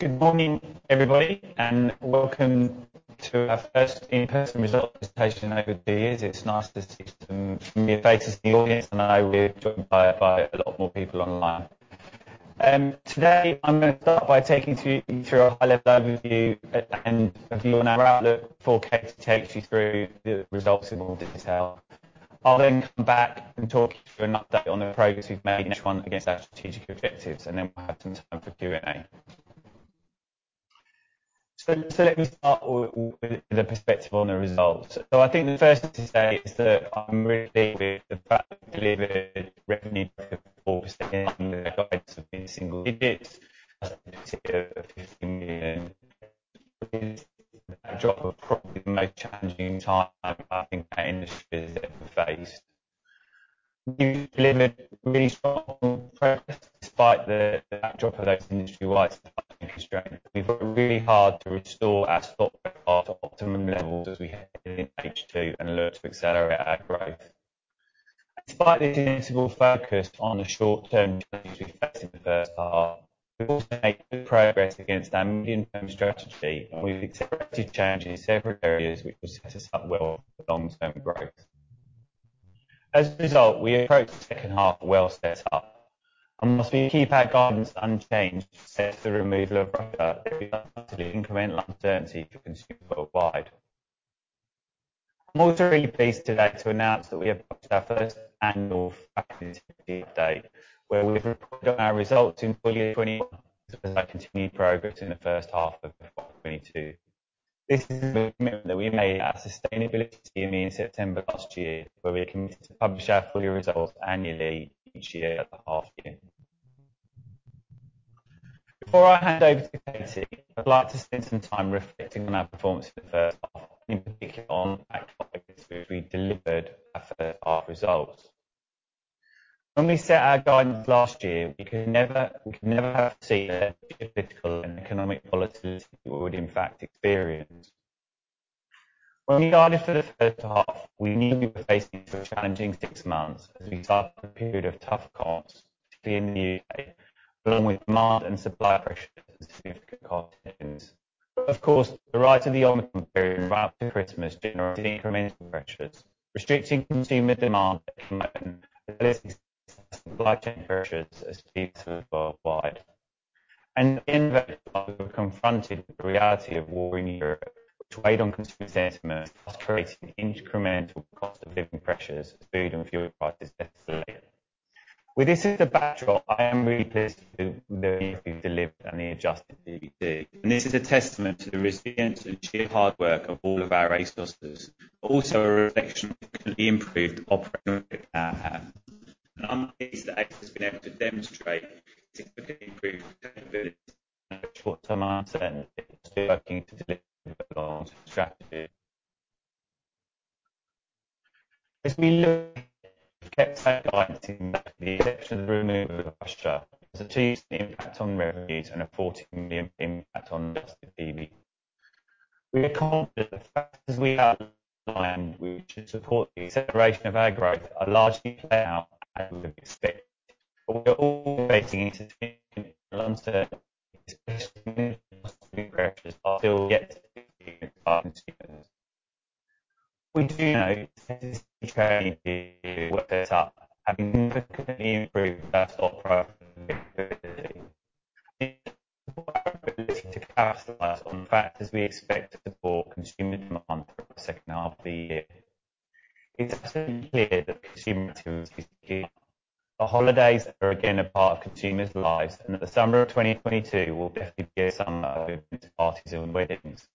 Good morning, everybody, and welcome to our first in-person results presentation over the years. It's nice to see some new faces in the audience, and I know we're joined by a lot more people online. Today, I'm gonna start by taking you through a high-level overview and then a view on our outlook before Katy takes you through the results in more detail. I'll then come back and talk you through an update on the progress we've made against one of our strategic objectives, and then we'll have some time for Q&A. Let me start with the perspective on the results. I think the first thing to say is that I'm really pleased with the fact that we delivered revenue growth of 4% against the guidance of mid-single digits at GBP 50 million. That was probably the most challenging time I think that the industry has ever faced. We've delivered really strong progress despite the backdrop of those industry-wide constraints. We fought really hard to restore our stock to optimum levels as we head into H2 and look to accelerate our growth. Despite the inevitable focus on the short-term challenges we faced in the first half, we also made good progress against our medium-term strategy, and we've addressed challenges in several areas which will set us up well for long-term growth. As a result, we approach the second half well set up. While we keep our guidance unchanged, except the removal of Russia, we are confident in delivering certainty for consumers worldwide. I'm also really pleased today to announce that we have our first annual fact sheet update, where we've reported our results in full year 2021, as well as our continued progress in the first half of 2022. This is a commitment that we made at sustainability in September last year, where we committed to publish our full year results annually each year at the half year. Before I hand over to Katy, I'd like to spend some time reflecting on our performance in the first half, in particular on activities which we delivered our first half results. When we set our guidance last year, we could never have foreseen the geopolitical and economic volatility we would in fact experience. When we guided for the first half, we knew we were facing some challenging six months as we started a period of tough comps, particularly in the U.K., along with demand and supply pressures and significant cost increases. Of course, the rise of the Omicron variant around Christmas generated incremental pressures, restricting consumer demand from opening, as well as supply chain pressures as ships were worldwide. At the end of it, we were confronted with the reality of war in Europe, which weighed on consumer sentiment, thus creating incremental cost of living pressures as food and fuel prices escalated. With this as the backdrop, I am really pleased with the delivery we've delivered on the Adjusted EBITDA, and this is a testament to the resilience and sheer hard work of all of our resources, but also a reflection of continually improved operating leverage in our half. I'm pleased that ASOS has been able to demonstrate its significantly improved sustainability amid short-term uncertainty, still working to deliver the long-term strategy. As we look, we've kept our guidance with the exception of the removal of Russia having a 2% impact on revenues and a 14 million impact on Adjusted EBITDA. We are confident that the factors we outlined, which support the acceleration of our growth, are largely playing out as we would expect. We're all facing uncertainty, especially with cost of living pressures which are still yet to peak with consumers. We do note trends we've seen in the first half, having significantly improved H1 profitability. We are well placed to capitalize on that as we expect to support consumer demand for the second half of the year. It's absolutely clear that consumer activities are picking up. The holidays are again a part of consumers' lives, and the summer of 2022 will definitely be a summer open to parties and weddings.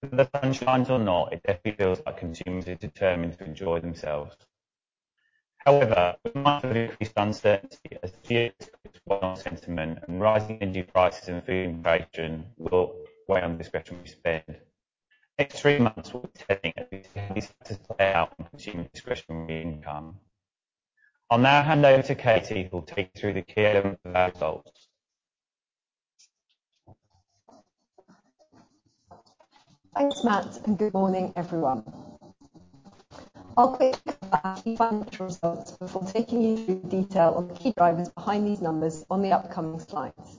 Whether the sun shines or not, it definitely feels like consumers are determined to enjoy themselves. However, we might have increased uncertainty as geopolitical sentiment and rising energy prices and food inflation will weigh on discretionary spend. In the next three months, we'll be taking a look at how consumers' discretionary income. I'll now hand over to Katy, who will take you through the key elements of our results. Thanks, Matt. Good morning, everyone. I'll quickly cover our key financial results before taking you through the detail on the key drivers behind these numbers on the upcoming slides.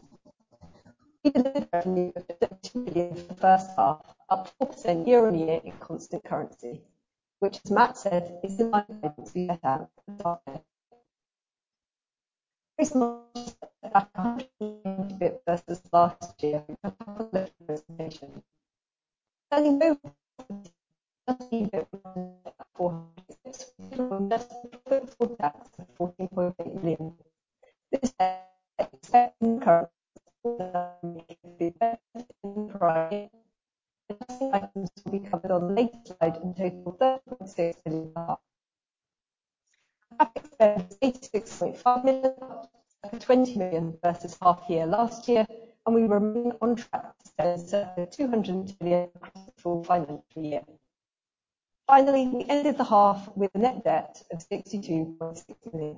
We delivered revenue of GBP 52 billion for the first half, up 4% year-on-year in constant currency, which, as Matt said, is in line with our guidance set out for the first half. This month, our country comp versus last year for public presentation. Selling mobile total debt of GBP 40.8 billion. This is expected current items will be covered on the later slide and total GBP 36 billion. CapEx spend is GBP 86.5 million, up GBP 20 million versus half year last year, and we remain on track to spend 202 million for financial year. Finally, we ended the half with a net debt of 62.6 billion.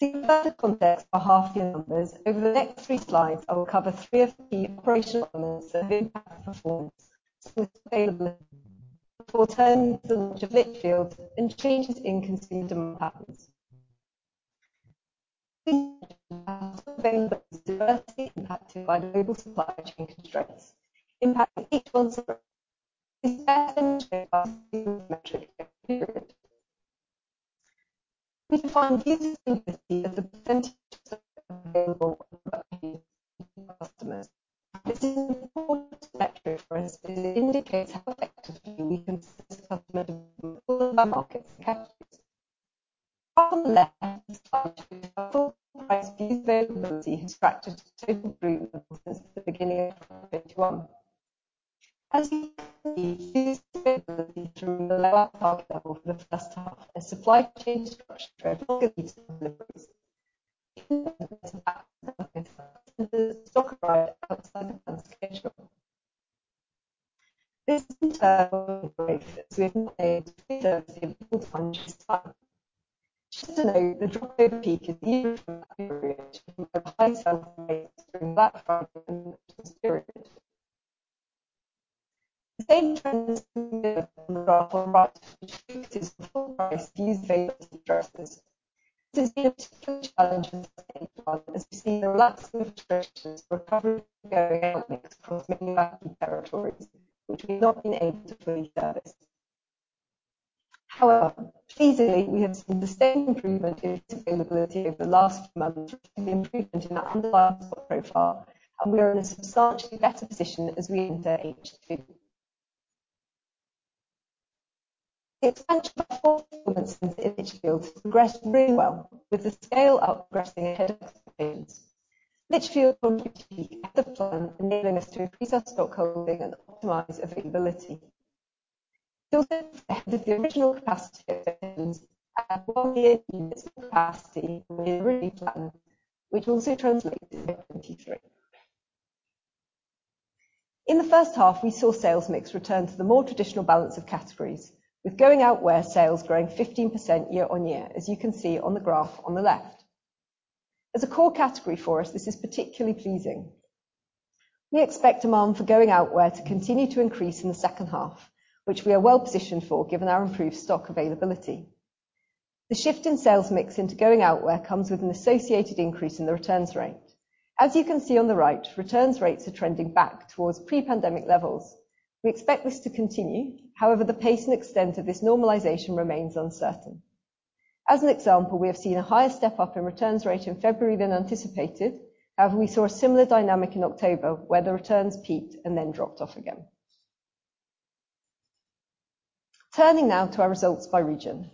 To provide context for half year numbers, over the next three slides, I will cover three of the operational elements that have impacted performance. The availability- Before turning to the launch of Lichfield and changes in consumer demand patterns. Consumer demand patterns have been adversely impacted by global supply chain constraints, impacting each one's growth. This has been shown by the metric. Period. We define this as the percentage available customers. This is an important metric for us as it indicates how effectively we can assist customers in all our market categories. On the left, full price availability has tracked its total group level since the beginning of 2021. As you can see, huge availability during the lower target level for the first half as supply chain disruptions delay deliveries. Stock right-sizing transportation. This in turn breaks it, so we have made services full-time. Just to note, the delivery peak is usually from that period, high sales during that period. The same trends graph on the right, which shows us the full price availability versus. This is a particular challenge as you see the relaxing of restrictions recovery going out across many territories which we've not been able to fully service. However, pleasingly, we have seen the same improvement in availability over the last month, the improvement in our underlying stock profile, and we are in a substantially better position as we enter H2. The expansion at Lichfield has progressed really well with the scale outpacing ahead of expectations. At Lichfield, the plant enabling us to increase our stock holding and optimize availability. Still ahead of the original capacity plans and one-year units of capacity we had really planned, which also translates into 2023. In the first half, we saw sales mix return to the more traditional balance of categories, with going-outwear sales growing 15% year-on-year, as you can see on the graph on the left. As a core category for us, this is particularly pleasing. We expect demand for going-outwear to continue to increase in the second half, which we are well positioned for, given our improved stock availability. The shift in sales mix into going-outwear comes with an associated increase in the returns rate. As you can see on the right, returns rates are trending back towards pre-pandemic levels. We expect this to continue. However, the pace and extent of this normalization remains uncertain. As an example, we have seen a higher step-up in returns rate in February than anticipated. However, we saw a similar dynamic in October, where the returns peaked and then dropped off again. Turning now to our results by region.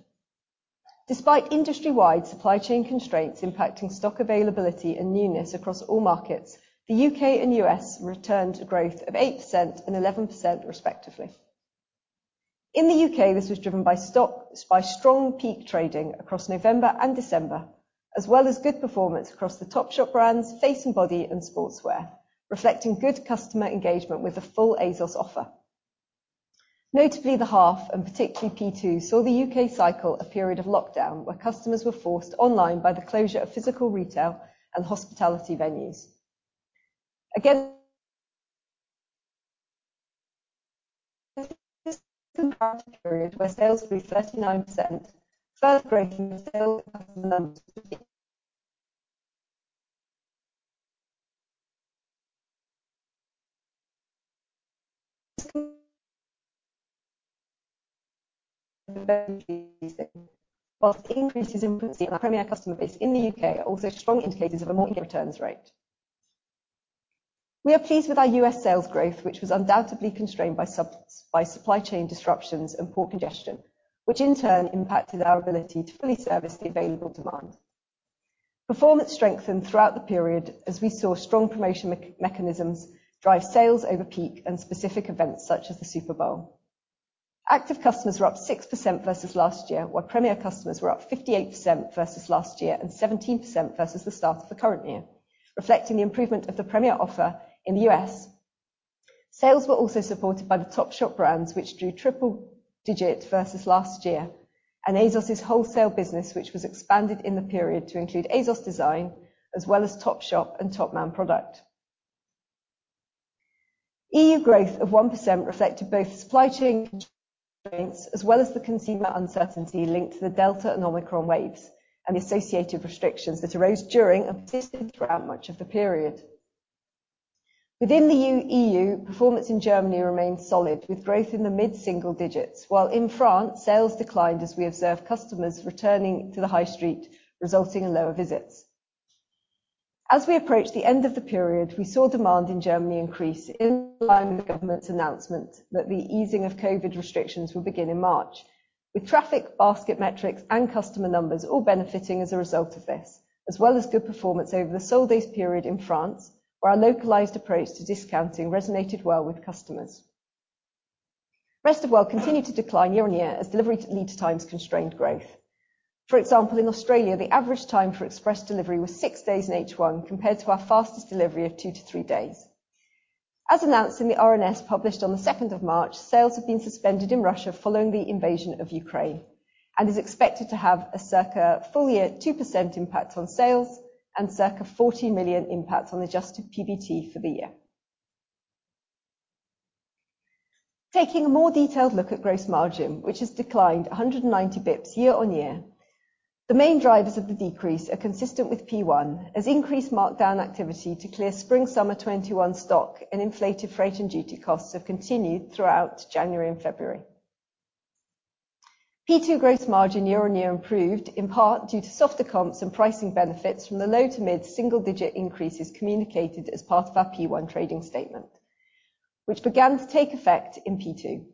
Despite industry-wide supply chain constraints impacting stock availability and newness across all markets, the U.K. and U.S. returned to growth of 8% and 11% respectively. In the U.K., this was driven by strong peak trading across November and December, as well as good performance across the Topshop brands, Face + Body, and Sportswear, reflecting good customer engagement with the full ASOS offer. Notably, the half, and particularly P2, saw the U.K. in a period of lockdown where customers were forced online by the closure of physical retail and hospitality venues. Again, this comparative period where sales grew 39%, further driving the active customer numbers to peak. Whilst increases in Premier customer base in the U.K. are also strong indicators of a lower returns rate. We are pleased with our U.S. sales growth, which was undoubtedly constrained by supply chain disruptions and port congestion, which in turn impacted our ability to fully service the available demand. Performance strengthened throughout the period as we saw strong promotion mechanisms drive sales over peak and specific events such as the Super Bowl. Active customers were up 6% versus last year, while Premier customers were up 58% versus last year and 17% versus the start of the current year, reflecting the improvement of the Premier offer in the U.S. Sales were also supported by the Topshop brands, which drew triple-digit versus last year, and ASOS's wholesale business, which was expanded in the period to include ASOS Design as well as Topshop and Topman product. EU growth of 1% reflected both supply chain constraints as well as the consumer uncertainty linked to the Delta and Omicron waves and the associated restrictions that arose during and persisted throughout much of the period. Within the EU, performance in Germany remained solid, with growth in the mid-single digits, while in France, sales declined as we observed customers returning to the high street, resulting in lower visits. As we approached the end of the period, we saw demand in Germany increase in line with the government's announcement that the easing of COVID restrictions will begin in March, with traffic, basket metrics and customer numbers all benefiting as a result of this, as well as good performance over the sold days period in France, where our localized approach to discounting resonated well with customers. Rest of World continued to decline year-on-year as delivery lead times constrained growth. For example, in Australia, the average time for express delivery was six days in H1 compared to our fastest delivery of two to three days. As announced in the RNS, published on the second of March, sales have been suspended in Russia following the invasion of Ukraine. Is expected to have a circa full-year 2% impact on sales and circa 40 million impact on Adjusted PBT for the year. Taking a more detailed look at gross margin, which has declined 190 basis points year-on-year. The main drivers of the decrease are consistent with P1, as increased markdown activity to clear spring/summer 2021 stock and inflated freight and duty costs have continued throughout January and February. P2 gross margin year-on-year improved in part due to softer comps and pricing benefits from the low- to mid-single-digit increases communicated as part of our P1 trading statement, which began to take effect in P2.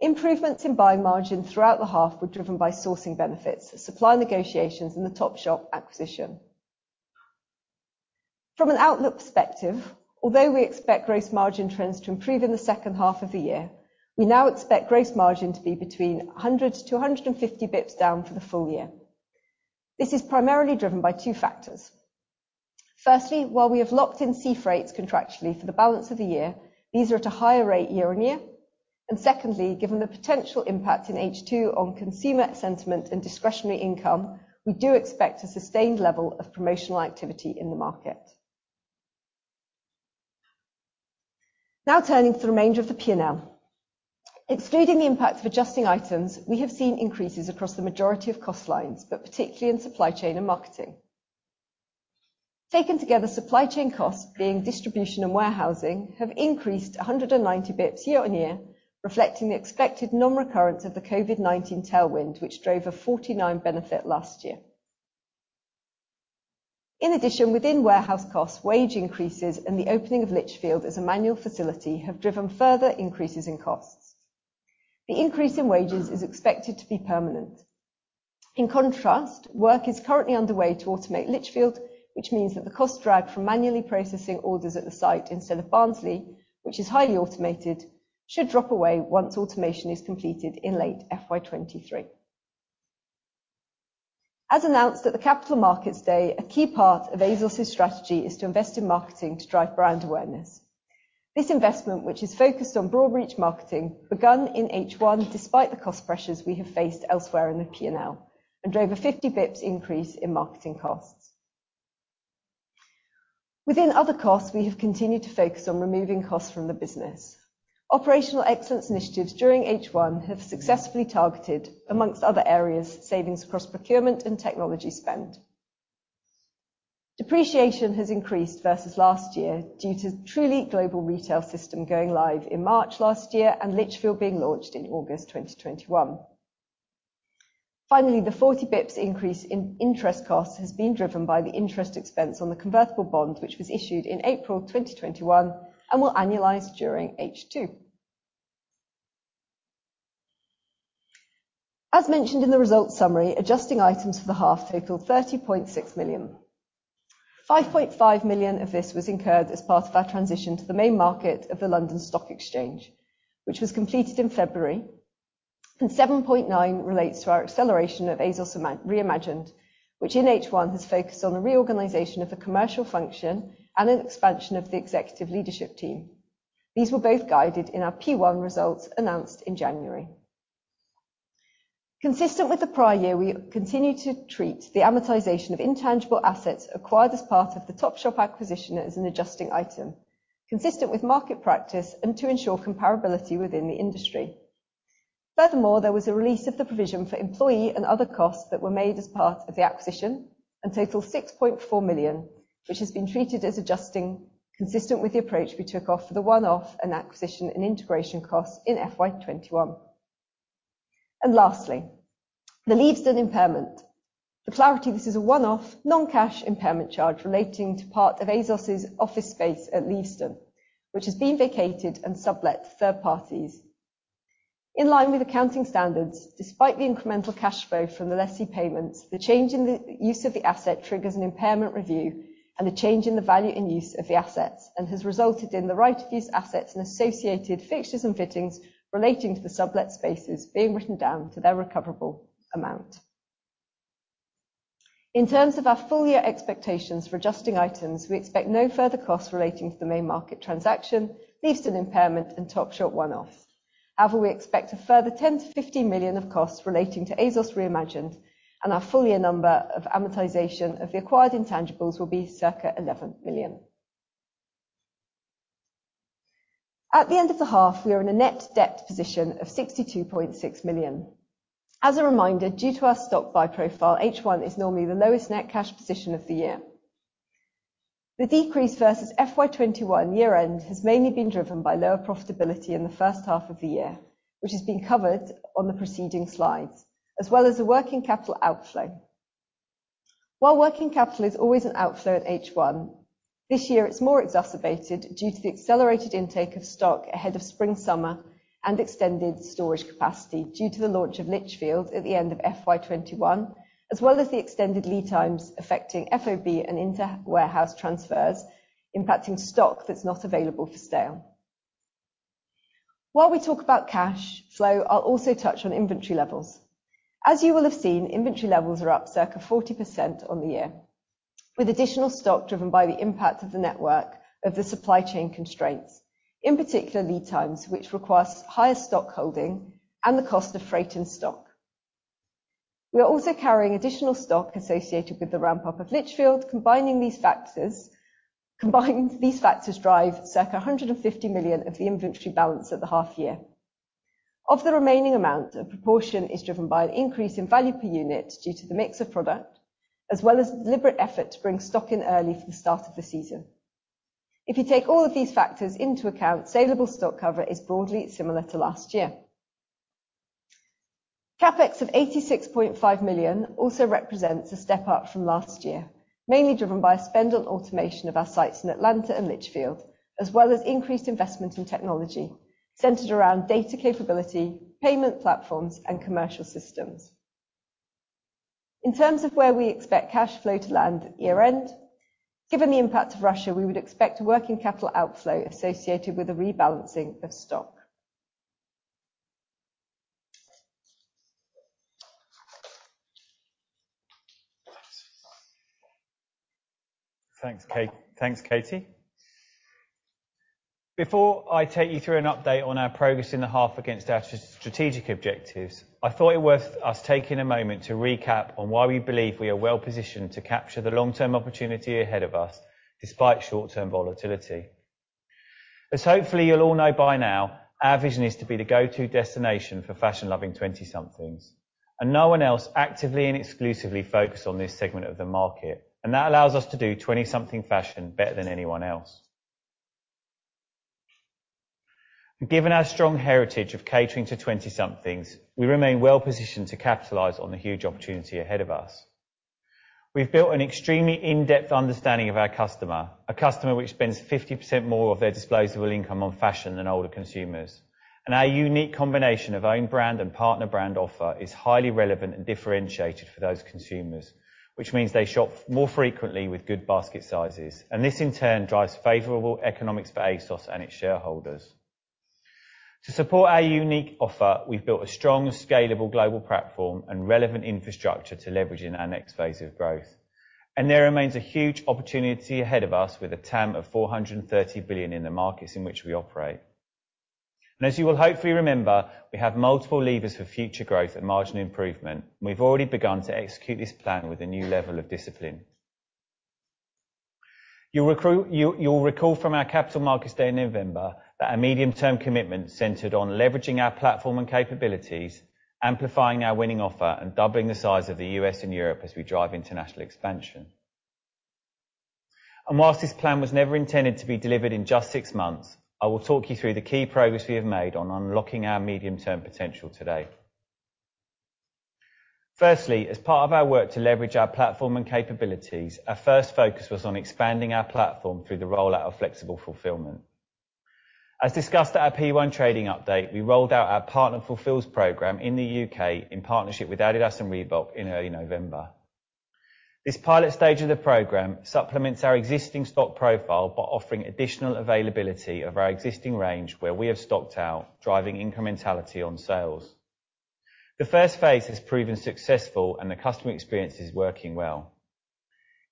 Improvements in buy margin throughout the half were driven by sourcing benefits, supply negotiations and the Topshop acquisition. From an outlook perspective, although we expect gross margin trends to improve in the second half of the year, we now expect gross margin to be between 100-250 basis points down for the full year. This is primarily driven by two factors. Firstly, while we have locked in sea freights contractually for the balance of the year, these are at a higher rate year-on-year. Secondly, given the potential impact in H2 on consumer sentiment and discretionary income, we do expect a sustained level of promotional activity in the market. Now turning to the remainder of the P&L. Excluding the impact of adjusting items, we have seen increases across the majority of cost lines, but particularly in supply chain and marketing. Taken together, supply chain costs, being distribution and warehousing, have increased 190 basis points year-on-year, reflecting the expected non-recurrence of the COVID-19 tailwind, which drove a 49 benefit last year. In addition, within warehouse costs, wage increases and the opening of Lichfield as a manual facility have driven further increases in costs. The increase in wages is expected to be permanent. In contrast, work is currently underway to automate Lichfield, which means that the cost drag from manually processing orders at the site instead of Barnsley, which is highly automated, should drop away once automation is completed in late FY 2023. As announced at the Capital Markets Day, a key part of ASOS' strategy is to invest in marketing to drive brand awareness. This investment, which is focused on broad reach marketing, begun in H1 despite the cost pressures we have faced elsewhere in the P&L and drove a 50 basis points increase in marketing costs. Within other costs, we have continued to focus on removing costs from the business. Operational excellence initiatives during H1 have successfully targeted, among other areas, savings across procurement and technology spend. Depreciation has increased versus last year due to Truly Global Retail System going live in March last year and Lichfield being launched in August 2021. Finally, the 40 basis points increase in interest costs has been driven by the interest expense on the convertible bond which was issued in April 2021 and will annualize during H2. As mentioned in the results summary, adjusting items for the half totaled 30.6 million. 5.5 million of this was incurred as part of our transition to the main market of the London Stock Exchange, which was completed in February. 7.9 million relates to our acceleration of ASOS Reimagined, which in H1 has focused on the reorganization of the commercial function and an expansion of the executive leadership team. These were both guided in our P1 results announced in January. Consistent with the prior year, we continue to treat the amortization of intangible assets acquired as part of the Topshop acquisition as an adjusting item, consistent with market practice and to ensure comparability within the industry. Furthermore, there was a release of the provision for employee and other costs that were made as part of the acquisition and total 6.4 million, which has been treated as adjusting consistent with the approach we took off for the one-off and acquisition and integration costs in FY 2021. Lastly, the Leavesden impairment. For clarity, this is a one-off non-cash impairment charge relating to part of ASOS' office space at Leavesden, which has been vacated and sublet to third parties. In line with accounting standards, despite the incremental cash flow from the lessee payments, the change in the use of the asset triggers an impairment review and a change in the value and use of the assets and has resulted in the right of these assets and associated fixtures and fittings relating to the sublet spaces being written down to their recoverable amount. In terms of our full year expectations for adjusting items, we expect no further costs relating to the main market transaction, Leavesden impairment and Topshop one-offs. However, we expect a further 10 million-15 million of costs relating to ASOS Reimagined and our full year number of amortization of the acquired intangibles will be circa 11 million. At the end of the half, we are in a net debt position of 62.6 million. As a reminder, due to our stock buy profile, H1 is normally the lowest net cash position of the year. The decrease versus FY 2021 year end has mainly been driven by lower profitability in the first half of the year, which has been covered on the preceding slides, as well as a working capital outflow. While working capital is always an outflow at H1, this year it's more exacerbated due to the accelerated intake of stock ahead of spring summer and extended storage capacity due to the launch of Lichfield at the end of FY 2021, as well as the extended lead times affecting FOB and inter warehouse transfers impacting stock that's not available for sale. While we talk about cash flow, I'll also touch on inventory levels. As you will have seen, inventory levels are up circa 40% on the year. With additional stock driven by the impact of the network of the supply chain constraints, in particular lead times, which requires higher stock holding and the cost of freight and stock. We are also carrying additional stock associated with the ramp-up of Lichfield, combining these factors drive circa 150 million of the inventory balance at the half year. Of the remaining amount, a proportion is driven by an increase in value per unit due to the mix of product, as well as deliberate effort to bring stock in early for the start of the season. If you take all of these factors into account, salable stock cover is broadly similar to last year. CapEx of 86.5 million also represents a step up from last year, mainly driven by a spend on automation of our sites in Atlanta and Lichfield, as well as increased investment in technology centered around data capability, payment platforms, and commercial systems. In terms of where we expect cash flow to land year-end, given the impact of Russia, we would expect a working capital outflow associated with the rebalancing of stock. Thanks, Katy. Before I take you through an update on our progress in the half against our strategic objectives, I thought it worth us taking a moment to recap on why we believe we are well positioned to capture the long-term opportunity ahead of us, despite short-term volatility. As hopefully you'll all know by now, our vision is to be the go-to destination for fashion-loving 20-somethings, and no one else actively and exclusively focus on this segment of the market, and that allows us to do 20-something fashion better than anyone else. Given our strong heritage of catering to 20-somethings, we remain well positioned to capitalize on the huge opportunity ahead of us. We've built an extremely in-depth understanding of our customer, a customer which spends 50% more of their disposable income on fashion than older consumers. Our unique combination of own brand and partner brand offer is highly relevant and differentiated for those consumers, which means they shop more frequently with good basket sizes, and this in turn drives favorable economics for ASOS and its shareholders. To support our unique offer, we've built a strong scalable global platform and relevant infrastructure to leverage in our next phase of growth. There remains a huge opportunity ahead of us with a TAM of 430 billion in the markets in which we operate. As you will hopefully remember, we have multiple levers for future growth and marginal improvement, and we've already begun to execute this plan with a new level of discipline. You'll recall from our Capital Markets Day in November that our medium-term commitment centered on leveraging our platform and capabilities, amplifying our winning offer, and doubling the size of the U.S. and Europe as we drive international expansion. While this plan was never intended to be delivered in just six months, I will talk you through the key progress we have made on unlocking our medium-term potential today. Firstly, as part of our work to leverage our platform and capabilities, our first focus was on expanding our platform through the rollout of flexible fulfillment. As discussed at our P1 trading update, we rolled out our Partner Fulfills program in the U.K. in partnership with Adidas and Reebok in early November. This pilot stage of the program supplements our existing stock profile by offering additional availability of our existing range where we have stocked out, driving incrementality on sales. The first phase has proven successful and the customer experience is working well.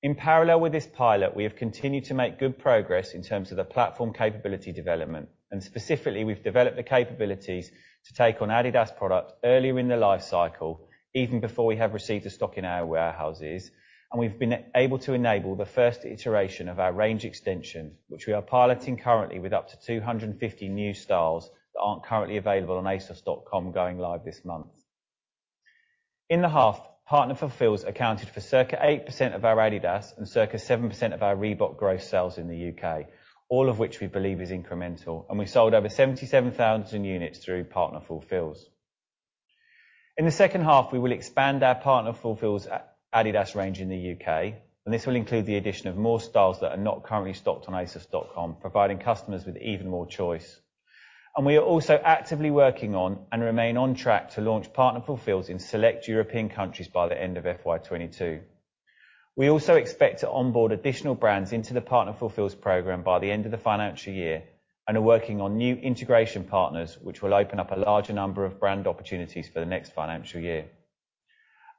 In parallel with this pilot, we have continued to make good progress in terms of the platform capability development, and specifically, we've developed the capabilities to take on Adidas product earlier in the life cycle, even before we have received the stock in our warehouses, and we've been able to enable the first iteration of our range extension, which we are piloting currently with up to 250 new styles that aren't currently available on asos.com, going live this month. In the half, Partner Fulfils accounted for circa 8% of our Adidas and circa 7% of our Reebok growth sales in the U.K., all of which we believe is incremental. We sold over 77,000 units through Partner Fulfils. In the second half, we will expand our Partner Fulfils Adidas range in the U.K., and this will include the addition of more styles that are not currently stocked on asos.com, providing customers with even more choice. We are also actively working on and remain on track to launch Partner Fulfils in select European countries by the end of FY 2022. We also expect to onboard additional brands into the Partner Fulfils program by the end of the financial year and are working on new integration partners, which will open up a larger number of brand opportunities for the next financial year.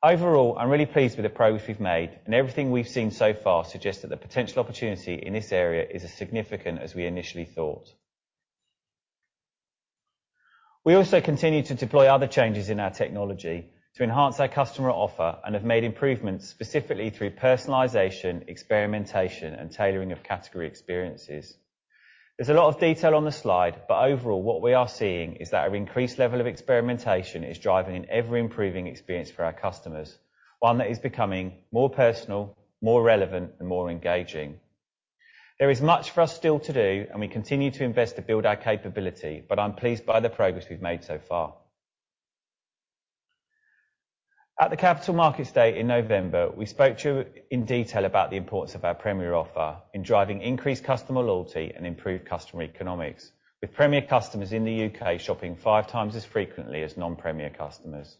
Overall, I'm really pleased with the progress we've made, and everything we've seen so far suggests that the potential opportunity in this area is as significant as we initially thought. We also continue to deploy other changes in our technology to enhance our customer offer and have made improvements specifically through personalization, experimentation, and tailoring of category experiences. There's a lot of detail on the slide, but overall, what we are seeing is that our increased level of experimentation is driving an ever-improving experience for our customers, one that is becoming more personal, more relevant, and more engaging. There is much for us still to do, and we continue to invest to build our capability, but I'm pleased by the progress we've made so far. At the Capital Markets Day in November, we spoke to you in detail about the importance of our Premier offer in driving increased customer loyalty and improved customer economics with Premier customers in the U.K. shopping 5x as frequently as non-Premier customers.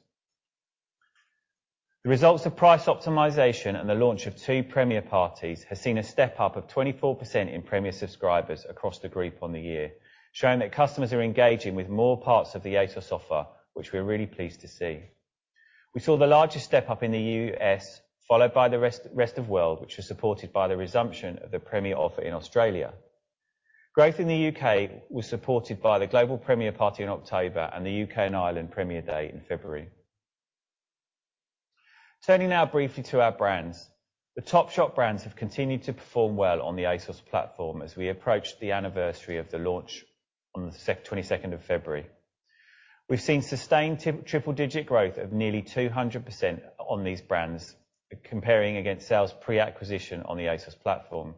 The results of price optimization and the launch of two Premier parties has seen a step up of 24% in Premier subscribers across the group on the year, showing that customers are engaging with more parts of the ASOS offer, which we're really pleased to see. We saw the largest step up in the U.S., followed by the rest of world, which was supported by the resumption of the Premier offer in Australia. Growth in the U.K. was supported by the global Premier party in October and the U.K. and Ireland Premier date in February. Turning now briefly to our brands. The Topshop brands have continued to perform well on the ASOS platform as we approach the anniversary of the launch on the 22nd of February. We've seen sustained triple-digit growth of nearly 200% on these brands comparing against sales pre-acquisition on the ASOS platform.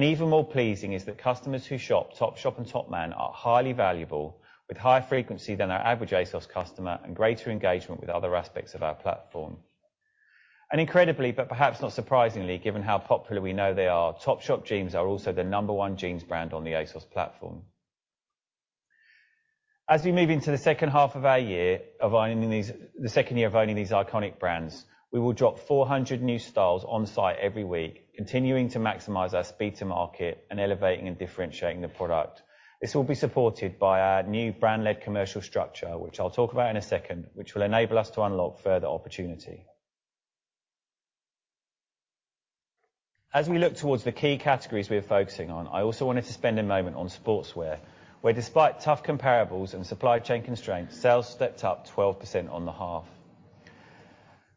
Even more pleasing is that customers who shop Topshop and Topman are highly valuable with higher frequency than our average ASOS customer and greater engagement with other aspects of our platform. Incredibly, but perhaps not surprisingly, given how popular we know they are, Topshop jeans are also the number one jeans brand on the ASOS platform. As we move into the second half of our year, of owning these The second year of owning these iconic brands, we will drop 400 new styles on site every week, continuing to maximize our speed to market and elevating and differentiating the product. This will be supported by our new brand-led commercial structure, which I'll talk about in a second, which will enable us to unlock further opportunity. As we look towards the key categories we are focusing on, I also wanted to spend a moment on sportswear, where despite tough comparables and supply chain constraints, sales stepped up 12% on the half.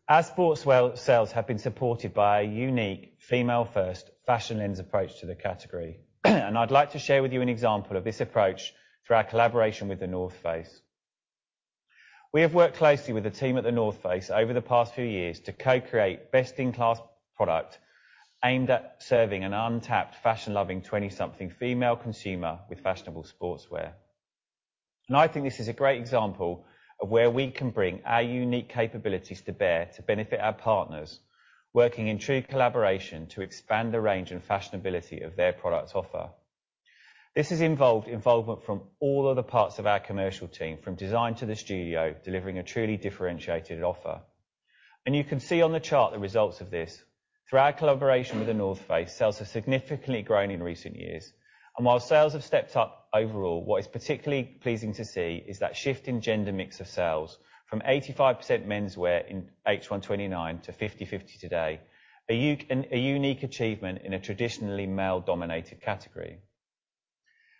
Our sportswear sales have been supported by a unique female first fashion lens approach to the category. I'd like to share with you an example of this approach through our collaboration with The North Face. We have worked closely with the team at The North Face over the past few years to co-create best-in-class product aimed at serving an untapped, fashion-loving 20-something female consumer with fashionable sportswear. I think this is a great example of where we can bring our unique capabilities to bear to benefit our partners, working in true collaboration to expand the range and fashionability of their product offer. This has involved involvement from all of the parts of our commercial team, from design to the studio, delivering a truly differentiated offer. You can see on the chart the results of this. Through our collaboration with The North Face, sales have significantly grown in recent years. While sales have stepped up overall, what is particularly pleasing to see is that shift in gender mix of sales from 85% menswear in H1 2019 to 50%/50% today, a unique achievement in a traditionally male-dominated category.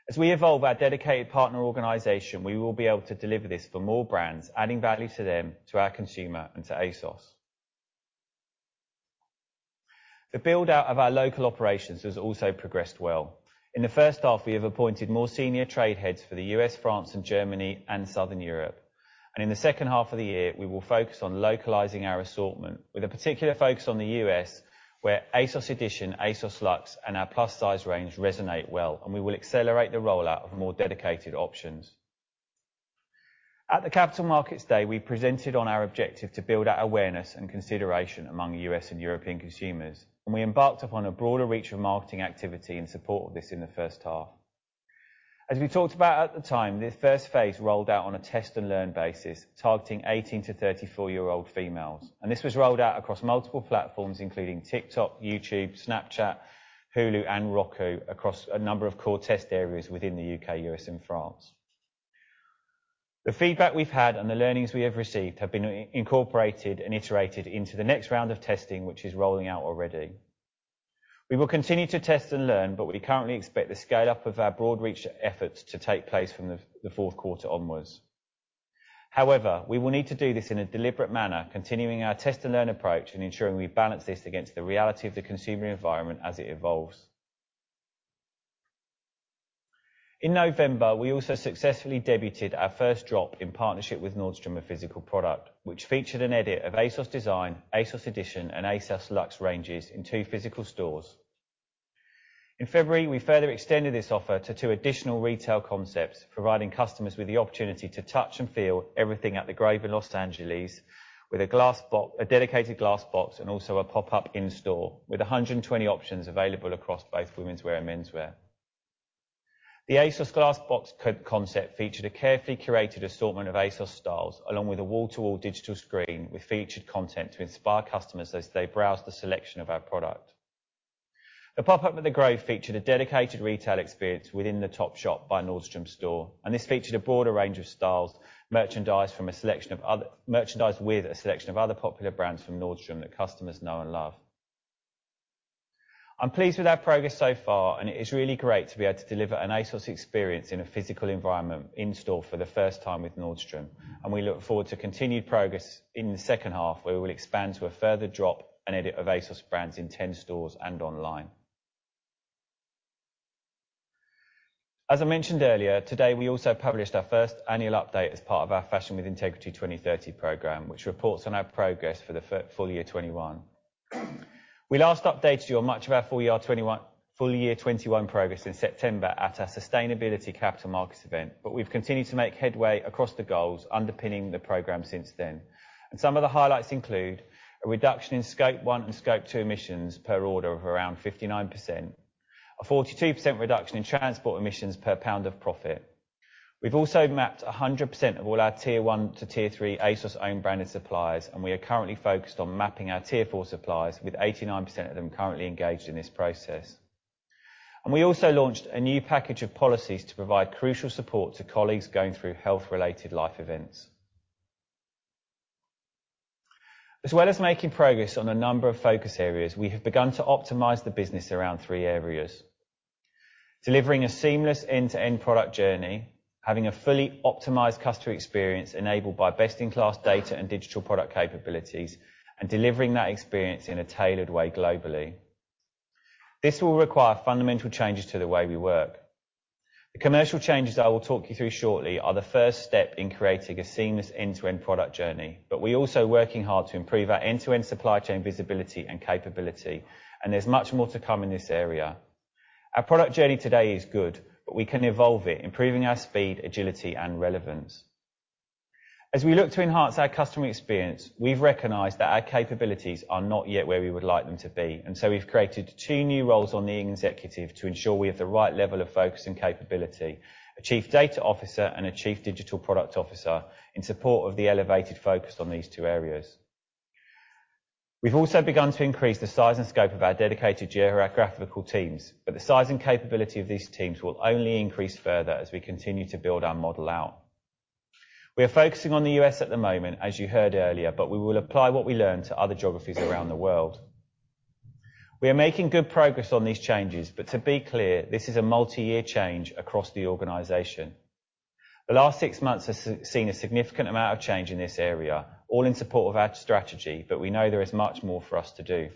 As we evolve our dedicated partner organization, we will be able to deliver this for more brands, adding value to them, to our consumer, and to ASOS. The build-out of our local operations has also progressed well. In the first half, we have appointed more senior trade heads for the U.S., France and Germany and Southern Europe. In the second half of the year, we will focus on localizing our assortment with a particular focus on the U.S., where ASOS Edition, ASOS Luxe, and our plus size range resonate well, and we will accelerate the rollout of more dedicated options. At the Capital Markets Day, we presented on our objective to build out awareness and consideration among U.S. and European consumers, and we embarked upon a broader reach of marketing activity in support of this in the first half. As we talked about at the time, this first phase rolled out on a test and learn basis, targeting 18-34-year-old females. This was rolled out across multiple platforms, including TikTok, YouTube, Snapchat, Hulu, and Roku across a number of core test areas within the U.K., U.S., and France. The feedback we've had and the learnings we have received have been incorporated and iterated into the next round of testing, which is rolling out already. We will continue to test and learn, but we currently expect the scale-up of our broad reach efforts to take place from the fourth quarter onwards. However, we will need to do this in a deliberate manner, continuing our test and learn approach and ensuring we balance this against the reality of the consumer environment as it evolves. In November, we also successfully debuted our first drop in partnership with Nordstrom, a physical product, which featured an edit of ASOS Design, ASOS Edition, and ASOS Luxe ranges in two physical stores. In February, we further extended this offer to two additional retail concepts, providing customers with the opportunity to touch and feel everything at The Grove in Los Angeles with a glass box, a dedicated glass box and also a pop-up in store with 120 options available across both womenswear and menswear. The ASOS Glass Box co-concept featured a carefully curated assortment of ASOS styles, along with a wall-to-wall digital screen with featured content to inspire customers as they browse the selection of our product. The pop-up at The Grove featured a dedicated retail experience within the Topshop by Nordstrom store, and this featured a broader range of styles, merchandise with a selection of other popular brands from Nordstrom that customers know and love. I'm pleased with our progress so far, and it is really great to be able to deliver an ASOS experience in a physical environment in store for the first time with Nordstrom. We look forward to continued progress in the second half, where we will expand to a further drop and edit of ASOS brands in 10 stores and online. As I mentioned earlier, today we also published our first annual update as part of our Fashion with Integrity 2030 program, which reports on our progress for the full year 2021. We last updated you on much of our full year 2021 progress in September at our Sustainability Capital Markets event. We've continued to make headway across the goals underpinning the program since then. Some of the highlights include a reduction in Scope 1 and Scope 2 emissions per order of around 59%, a 42% reduction in transport emissions per pound of product. We've also mapped 100% of all our Tier 1 to Tier 3 ASOS own branded suppliers, and we are currently focused on mapping our Tier 4 suppliers with 89% of them currently engaged in this process. We also launched a new package of policies to provide crucial support to colleagues going through health-related life events. As well as making progress on a number of focus areas, we have begun to optimize the business around three areas, delivering a seamless end-to-end product journey, having a fully optimized customer experience enabled by best-in-class data and digital product capabilities, and delivering that experience in a tailored way globally. This will require fundamental changes to the way we work. The commercial changes I will talk you through shortly are the first step in creating a seamless end-to-end product journey, but we're also working hard to improve our end-to-end supply chain visibility and capability, and there's much more to come in this area. Our product journey today is good, but we can evolve it, improving our speed, agility and relevance. As we look to enhance our customer experience, we've recognized that our capabilities are not yet where we would like them to be, and so we've created two new roles on the executive to ensure we have the right level of focus and capability. A Chief Data Officer and a Chief Digital Product Officer in support of the elevated focus on these two areas. We've also begun to increase the size and scope of our dedicated geographical teams, but the size and capability of these teams will only increase further as we continue to build our model out. We are focusing on the U.S. at the moment, as you heard earlier, but we will apply what we learn to other geographies around the world. We are making good progress on these changes, but to be clear, this is a multi-year change across the organization. The last six months have seen a significant amount of change in this area, all in support of our strategy, but we know there is much more for us to do.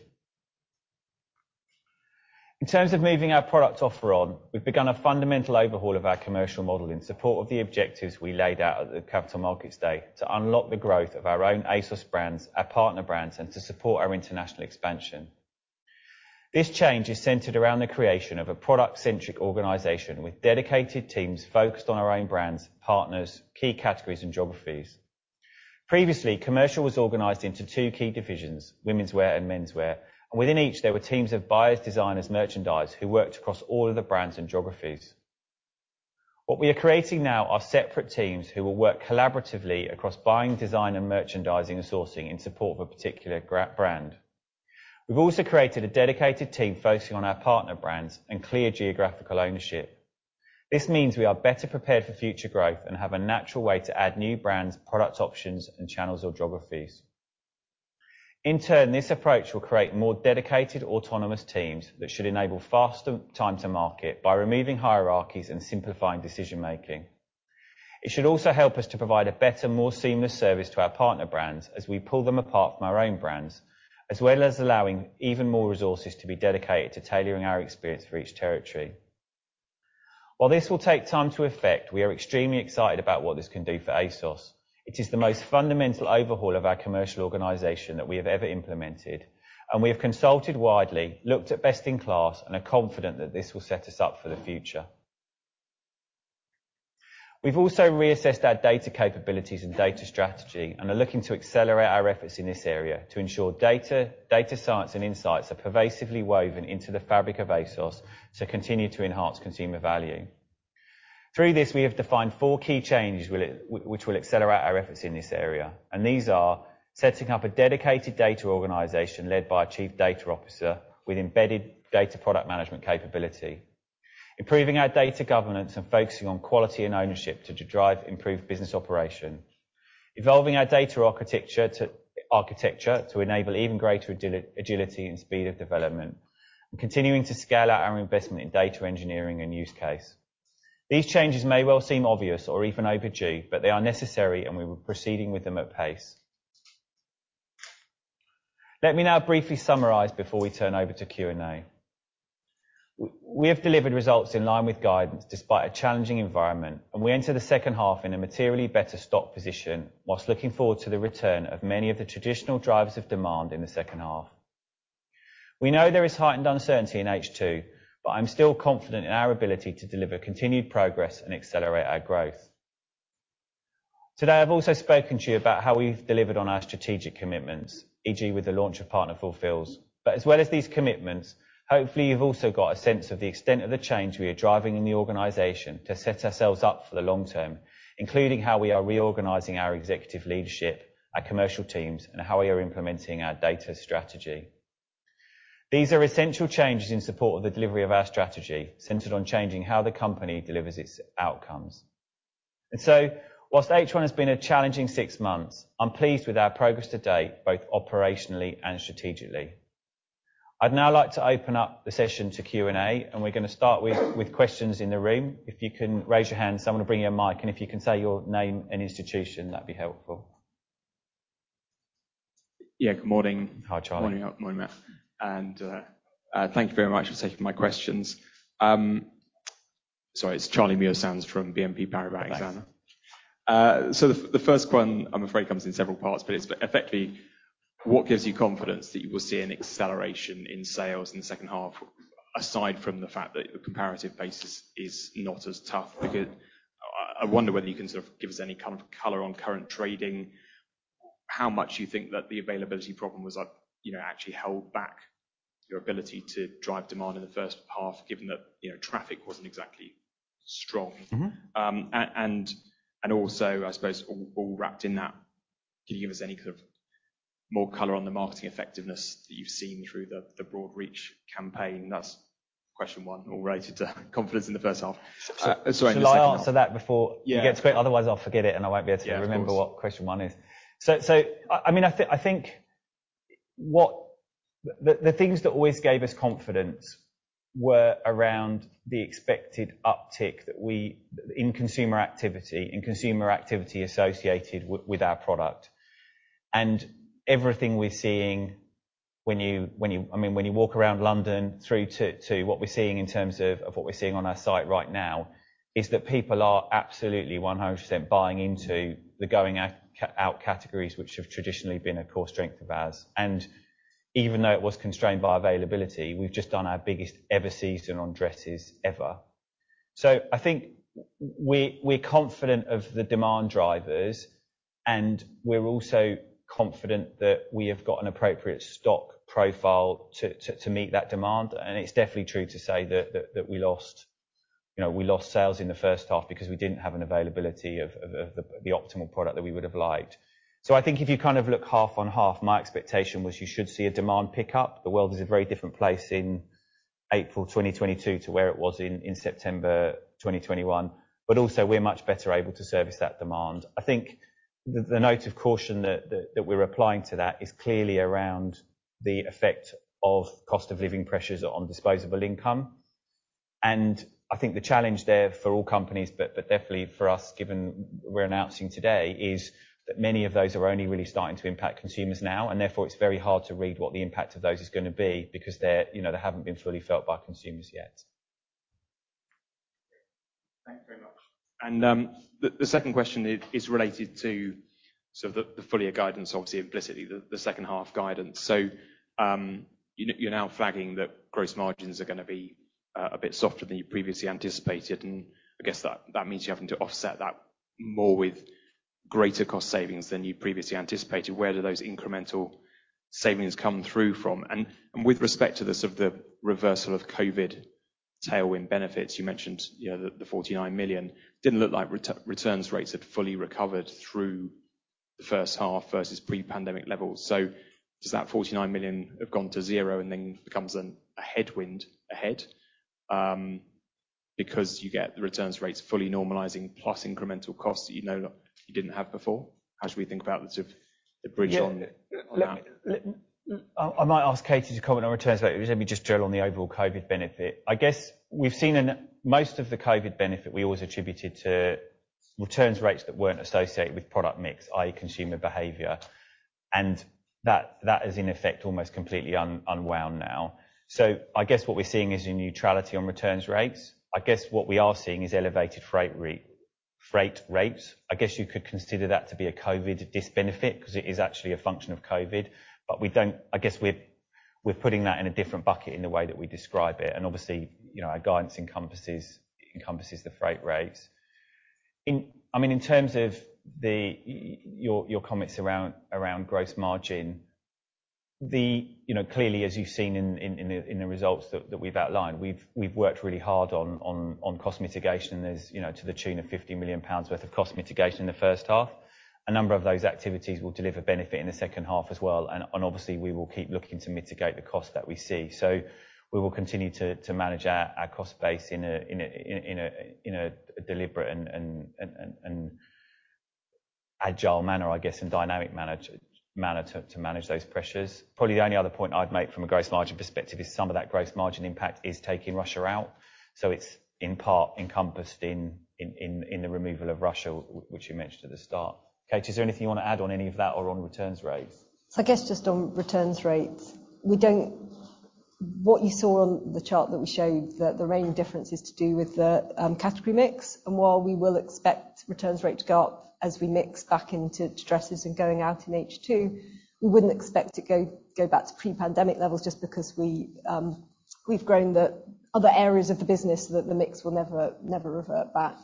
In terms of moving our product offer on, we've begun a fundamental overhaul of our commercial model in support of the objectives we laid out at the Capital Markets Day to unlock the growth of our own ASOS brands, our partner brands, and to support our international expansion. This change is centered around the creation of a product-centric organization with dedicated teams focused on our own brands, partners, key categories and geographies. Previously, commercial was organized into two key divisions, womenswear and menswear, and within each, there were teams of buyers, designers, merchandisers who worked across all of the brands and geographies. What we are creating now are separate teams who will work collaboratively across buying, design and merchandising and sourcing in support of a particular brand. We've also created a dedicated team focusing on our partner brands and clear geographical ownership. This means we are better prepared for future growth and have a natural way to add new brands, product options and channels or geographies. In turn, this approach will create more dedicated autonomous teams that should enable faster time to market by removing hierarchies and simplifying decision-making. It should also help us to provide a better, more seamless service to our partner brands as we pull them apart from our own brands, as well as allowing even more resources to be dedicated to tailoring our experience for each territory. While this will take time to effect, we are extremely excited about what this can do for ASOS. It is the most fundamental overhaul of our commercial organization that we have ever implemented, and we have consulted widely, looked at best in class, and are confident that this will set us up for the future. We've also reassessed our data capabilities and data strategy and are looking to accelerate our efforts in this area to ensure data science and insights are pervasively woven into the fabric of ASOS to continue to enhance consumer value. Through this, we have defined four key changes which will accelerate our efforts in this area, and these are setting up a dedicated data organization led by a Chief Data Officer with embedded data product management capability. Improving our data governance and focusing on quality and ownership to drive improved business operation. Evolving our data architecture to enable even greater agility and speed of development. Continuing to scale out our investment in data engineering and use case. These changes may well seem obvious or even overdue, but they are necessary and we are proceeding with them at pace. Let me now briefly summarize before we turn over to Q&A. We have delivered results in line with guidance despite a challenging environment, and we enter the second half in a materially better stock position whilst looking forward to the return of many of the traditional drivers of demand in the second half. We know there is heightened uncertainty in H2, but I'm still confident in our ability to deliver continued progress and accelerate our growth. Today, I've also spoken to you about how we've delivered on our strategic commitments, e.g. with the launch of Partner Fulfils. As well as these commitments, hopefully, you've also got a sense of the extent of the change we are driving in the organization to set ourselves up for the long term, including how we are reorganizing our executive leadership, our commercial teams, and how we are implementing our data strategy. These are essential changes in support of the delivery of our strategy, centered on changing how the company delivers its outcomes. Whilst H1 has been a challenging six months, I'm pleased with our progress to date, both operationally and strategically. I'd now like to open up the session to Q&A, and we're gonna start with questions in the room. If you can raise your hand, someone will bring you a mic, and if you can say your name and institution, that'd be helpful. Yeah. Good morning. Hi, Charlie. Morning. Morning, Matt. Thank you very much for taking my questions. Sorry, it's Charlie Mayoss from BNP Paribas Exane. Thanks. The first one, I'm afraid, comes in several parts, but it's effectively what gives you confidence that you will see an acceleration in sales in the second half, aside from the fact that the comparative basis is not as tough. Because I wonder whether you can sort of give us any kind of color on current trading. How much do you think that the availability problem has, you know, actually held back your ability to drive demand in the first half, given that, you know, traffic wasn't exactly strong? Mm-hmm. I suppose all wrapped in that, can you give us any kind of more color on the marketing effectiveness that you've seen through the broad reach campaign. That's question one, all related to confidence in the first half. Sorry, in the second half. Shall I answer that before? Yeah. You get to it, otherwise I'll forget it, and I won't be able to remember. Yeah, of course. I mean, I think what the things that always gave us confidence were around the expected uptick that we in consumer activity associated with our product. Everything we're seeing, I mean, when you walk around London through to what we're seeing in terms of what we're seeing on our site right now, is that people are absolutely 100% buying into the going out, casual-out categories, which have traditionally been a core strength of ours. Even though it was constrained by availability, we've just done our biggest ever season on dresses. I think we're confident of the demand drivers, and we're also confident that we have got an appropriate stock profile to meet that demand. It's definitely true to say that we lost, you know, we lost sales in the first half because we didn't have an availability of the optimal product that we would've liked. I think if you kind of look half on half, my expectation was you should see a demand pickup. The world is a very different place in April 2022 to where it was in September 2021. We're much better able to service that demand. I think the note of caution that we're applying to that is clearly around the effect of cost of living pressures on disposable income. I think the challenge there for all companies, but definitely for us given we're announcing today, is that many of those are only really starting to impact consumers now, and therefore it's very hard to read what the impact of those is gonna be because they're, you know, they haven't been fully felt by consumers yet. Thank you very much. The second question is related to sort of the full year guidance, obviously implicitly the second half guidance. You're now flagging that gross margins are gonna be a bit softer than you previously anticipated, and I guess that means you're having to offset that more with greater cost savings than you previously anticipated. Where do those incremental savings come through from? With respect to sort of the reversal of COVID tailwind benefits, you mentioned, you know, the 49 million. Didn't look like return rates had fully recovered through the first half versus pre-pandemic levels. Does that 49 million have gone to zero and then becomes a headwind ahead, because you get the return rates fully normalizing, plus incremental costs that you know you didn't have before? How should we think about the sort of bridge on the? Yeah. On that? I might ask Katy to comment on returns rates. Let me just drill on the overall COVID benefit. I guess we've seen most of the COVID benefit, we always attributed to returns rates that weren't associated with product mix, i.e. consumer behavior. That is in effect almost completely unwound now. I guess what we're seeing is a neutrality on returns rates. I guess what we are seeing is elevated freight rates. I guess you could consider that to be a COVID disbenefit 'cause it is actually a function of COVID, but we're putting that in a different bucket in the way that we describe it, and obviously, you know, our guidance encompasses the freight rates. I mean, in terms of your comments around gross margin, you know, clearly as you've seen in the results that we've outlined, we've worked really hard on cost mitigation. There's, you know, to the tune of 50 million pounds worth of cost mitigation in the first half. A number of those activities will deliver benefit in the second half as well, and obviously we will keep looking to mitigate the cost that we see. We will continue to manage our cost base in a deliberate and agile manner, I guess, and dynamic manner to manage those pressures. Probably the only other point I'd make from a gross margin perspective is some of that gross margin impact is taking Russia out. It's in part encompassed in the removal of Russia, which you mentioned at the start. Katy, is there anything you wanna add on any of that or on returns rates? I guess just on returns rates. What you saw on the chart that we showed, the main difference is to do with the category mix, and while we will expect returns rate to go up as we mix back into dresses and going out in H2, we wouldn't expect it go back to pre-pandemic levels just because we've grown the other areas of the business that the mix will never revert back.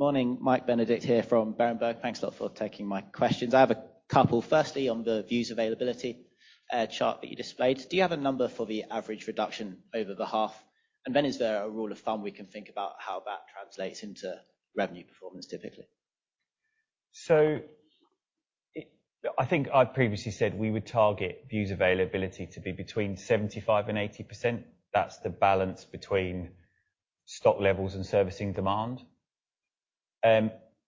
Morning, Mike Benedict here from Berenberg. Thanks a lot for taking my questions. I have a couple. Firstly, on the views availability chart that you displayed, do you have a number for the average reduction over the half? And then is there a rule of thumb we can think about how that translates into revenue performance typically? I think I previously said we would target views availability to be between 75% and 80%. That's the balance between stock levels and servicing demand.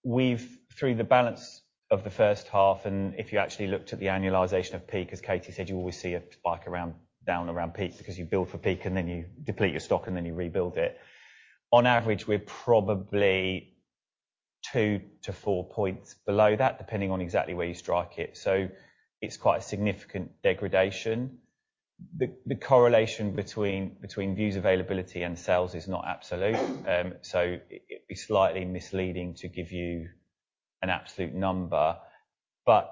We've through the balance of the first half, and if you actually looked at the annualization of peak, as Katy said, you always see a spike around, down around peaks because you build for peak and then you deplete your stock and then you rebuild it. On average, we're probably 2-4 points below that, depending on exactly where you strike it. It's quite a significant degradation. The correlation between views availability and sales is not absolute, so it'd be slightly misleading to give you an absolute number. But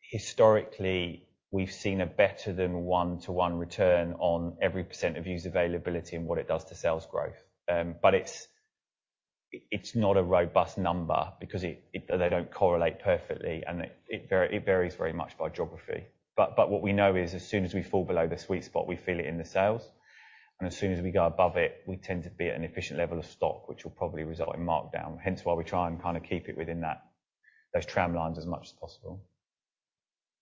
historically, we've seen a better than one-to-one return on every percent of views availability and what it does to sales growth. It's not a robust number because they don't correlate perfectly, and it varies very much by geography. What we know is as soon as we fall below the sweet spot, we feel it in the sales. As soon as we go above it, we tend to be at an efficient level of stock, which will probably result in markdown. Hence why we try and kinda keep it within that, those tramlines as much as possible.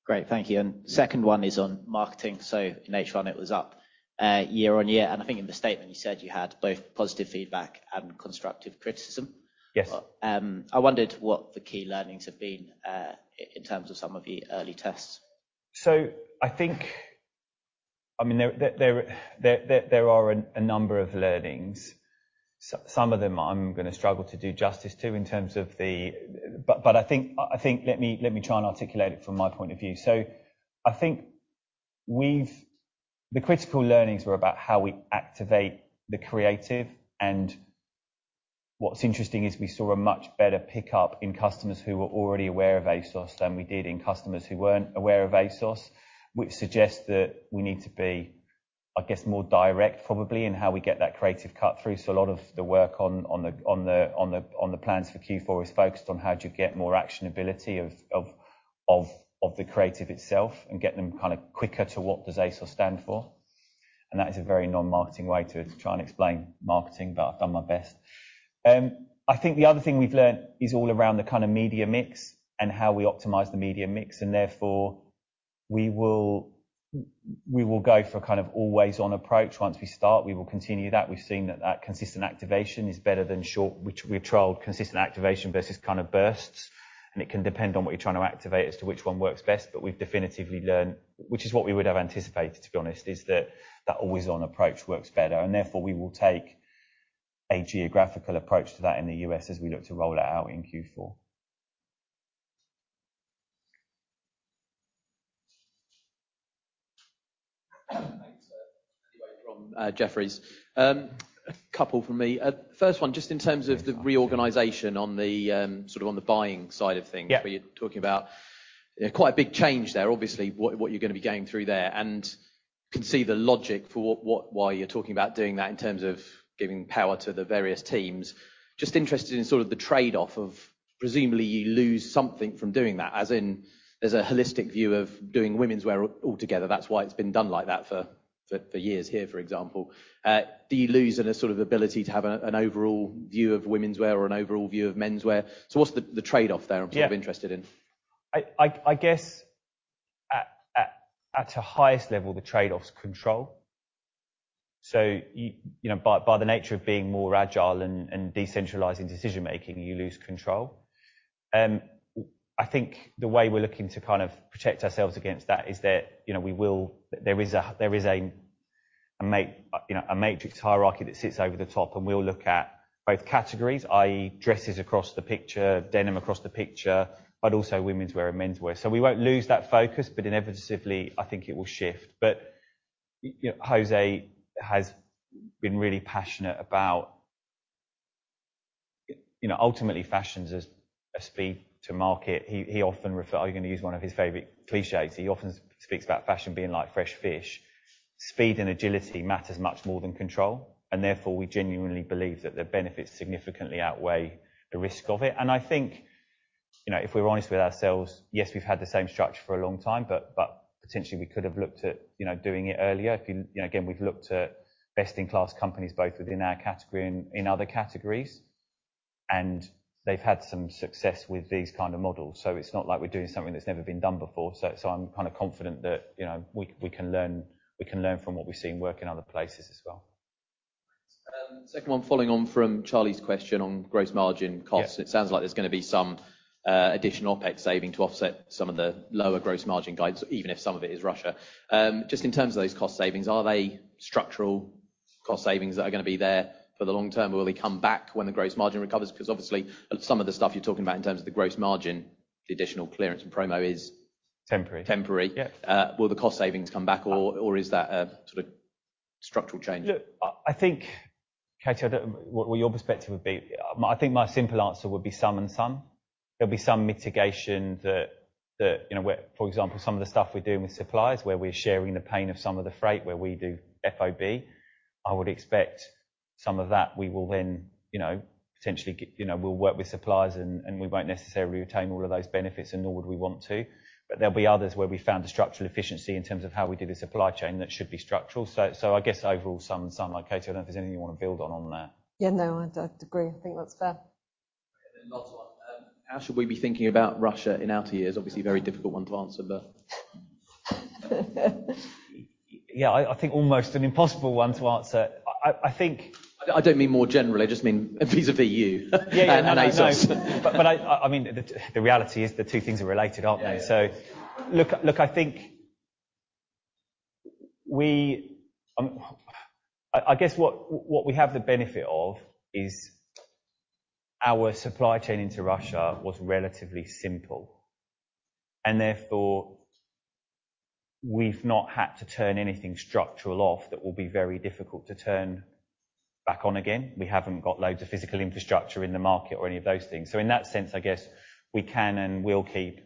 Great. Thank you. Second one is on marketing. In H1, it was up year-over-year, and I think in the statement you said you had both positive feedback and constructive criticism. Yes. I wondered what the key learnings have been, in terms of some of the early tests? I think. I mean, there are a number of learnings. Some of them I'm gonna struggle to do justice to in terms of the. I think, let me try and articulate it from my point of view. I think we've. The critical learnings were about how we activate the creative, and what's interesting is we saw a much better pickup in customers who were already aware of ASOS than we did in customers who weren't aware of ASOS, which suggests that we need to be, I guess, more direct probably in how we get that creative cut through. A lot of the work on the plans for Q4 is focused on how do you get more actionability of the creative itself and get them kinda quicker to what does ASOS stand for. That is a very non-marketing way to try and explain marketing, but I've done my best. I think the other thing we've learned is all around the kinda media mix and how we optimize the media mix, and therefore we will go for a kind of always on approach. Once we start, we will continue that. We've seen that consistent activation is better than short. We trialed consistent activation versus kind of bursts, and it can depend on what you're trying to activate as to which one works best. We've definitively learned, which is what we would have anticipated, to be honest, is that always on approach works better. Therefore, we will take a geographical approach to that in the U.S. as we look to roll that out in Q4. Thanks. From Jefferies. A couple from me. First one, just in terms of the reorganization, sort of on the buying side of things. Yeah. Where you're talking about, you know, quite a big change there. Obviously, what you're gonna be going through there and can see the logic for why you're talking about doing that in terms of giving power to the various teams. Just interested in sort of the trade-off of presumably you lose something from doing that, as in there's a holistic view of doing womenswear all together. That's why it's been done like that for years here, for example. Do you lose any sort of ability to have an overall view of womenswear or an overall view of menswear? What's the trade-off there? I'm sort of interested in? Yeah. I guess at a highest level, the trade-off is control. You know, by the nature of being more agile and decentralizing decision making, you lose control. I think the way we're looking to kind of protect ourselves against that is that, you know, we will have a matrix hierarchy that sits over the top, and we'll look at both categories, i.e. dresses across the picture, denim across the picture, but also womenswear and menswear. We won't lose that focus, but inevitably, I think it will shift. You know, José has been really passionate about, you know, ultimately, fashion's a speed to market. I'm gonna use one of his favorite clichés. He often speaks about fashion being like fresh fish. Speed and agility matters much more than control, and therefore, we genuinely believe that the benefits significantly outweigh the risk of it. I think, you know, if we're honest with ourselves, yes, we've had the same structure for a long time, but potentially we could have looked at, you know, doing it earlier. If, you know, again, we've looked at best in class companies, both within our category and in other categories, and they've had some success with these kind of models. It's not like we're doing something that's never been done before. I'm kinda confident that, you know, we can learn from what we've seen work in other places as well. Second one, following on from Charlie's question on gross margin costs. Yeah. It sounds like there's gonna be some additional OpEx saving to offset some of the lower gross margin guides, even if some of it is Russia. Just in terms of those cost savings, are they structural cost savings that are gonna be there for the long term, or will they come back when the gross margin recovers? Because obviously, some of the stuff you're talking about in terms of the gross margin, the additional clearance and promo is- Temporary. -temporary. Yeah. Will the cost savings come back or is that a sort of structural change? Look, I think, Katy, I don't know what your perspective would be. I think my simple answer would be some and some. There'll be some mitigation that, you know, where, for example, some of the stuff we're doing with suppliers, where we're sharing the pain of some of the freight where we do FOB. I would expect some of that we will then, you know, we'll work with suppliers and we won't necessarily retain all of those benefits and nor would we want to. There'll be others where we found a structural efficiency in terms of how we do the supply chain that should be structural. I guess overall, some and some. Like Katy, I don't know if there's anything you want to build on that. Yeah, no. I agree. I think that's fair. Last one. How should we be thinking about Russia in out years? Obviously, a very difficult one to answer, but. Yeah. I think almost an impossible one to answer. I don't mean more general, I just mean vis-à-vis you. Yeah, yeah. No, no. ASOS. I mean, the reality is the two things are related, aren't they? Yeah. Look, I think we have the benefit of is our supply chain into Russia was relatively simple and therefore we've not had to turn anything structural off that will be very difficult to turn back on again. We haven't got loads of physical infrastructure in the market or any of those things. I guess we can and will keep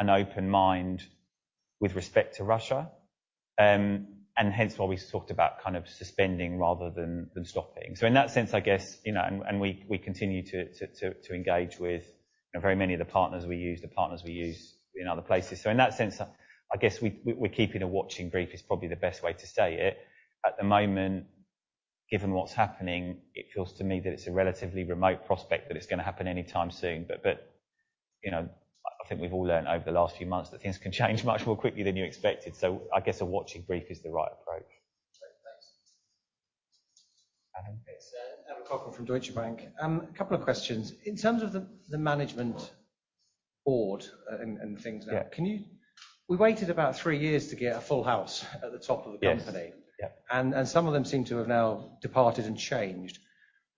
an open mind with respect to Russia, and hence why we talked about kind of suspending rather than stopping. I guess, you know, we continue to engage with, you know, very many of the partners we use in other places. I guess we are keeping a watching brief is probably the best way to say it. At the moment, given what's happening, it feels to me that it's a relatively remote prospect that it's gonna happen anytime soon. You know, I think we've all learned over the last few months that things can change much more quickly than you expected. I guess a watching brief is the right approach. Okay, thanks. Adam. It's Adam Cochrane from Deutsche Bank. A couple of questions. In terms of the management board and things now. Yeah. We waited about three years to get a full house at the top of the company. Yes. Yeah. Some of them seem to have now departed and changed.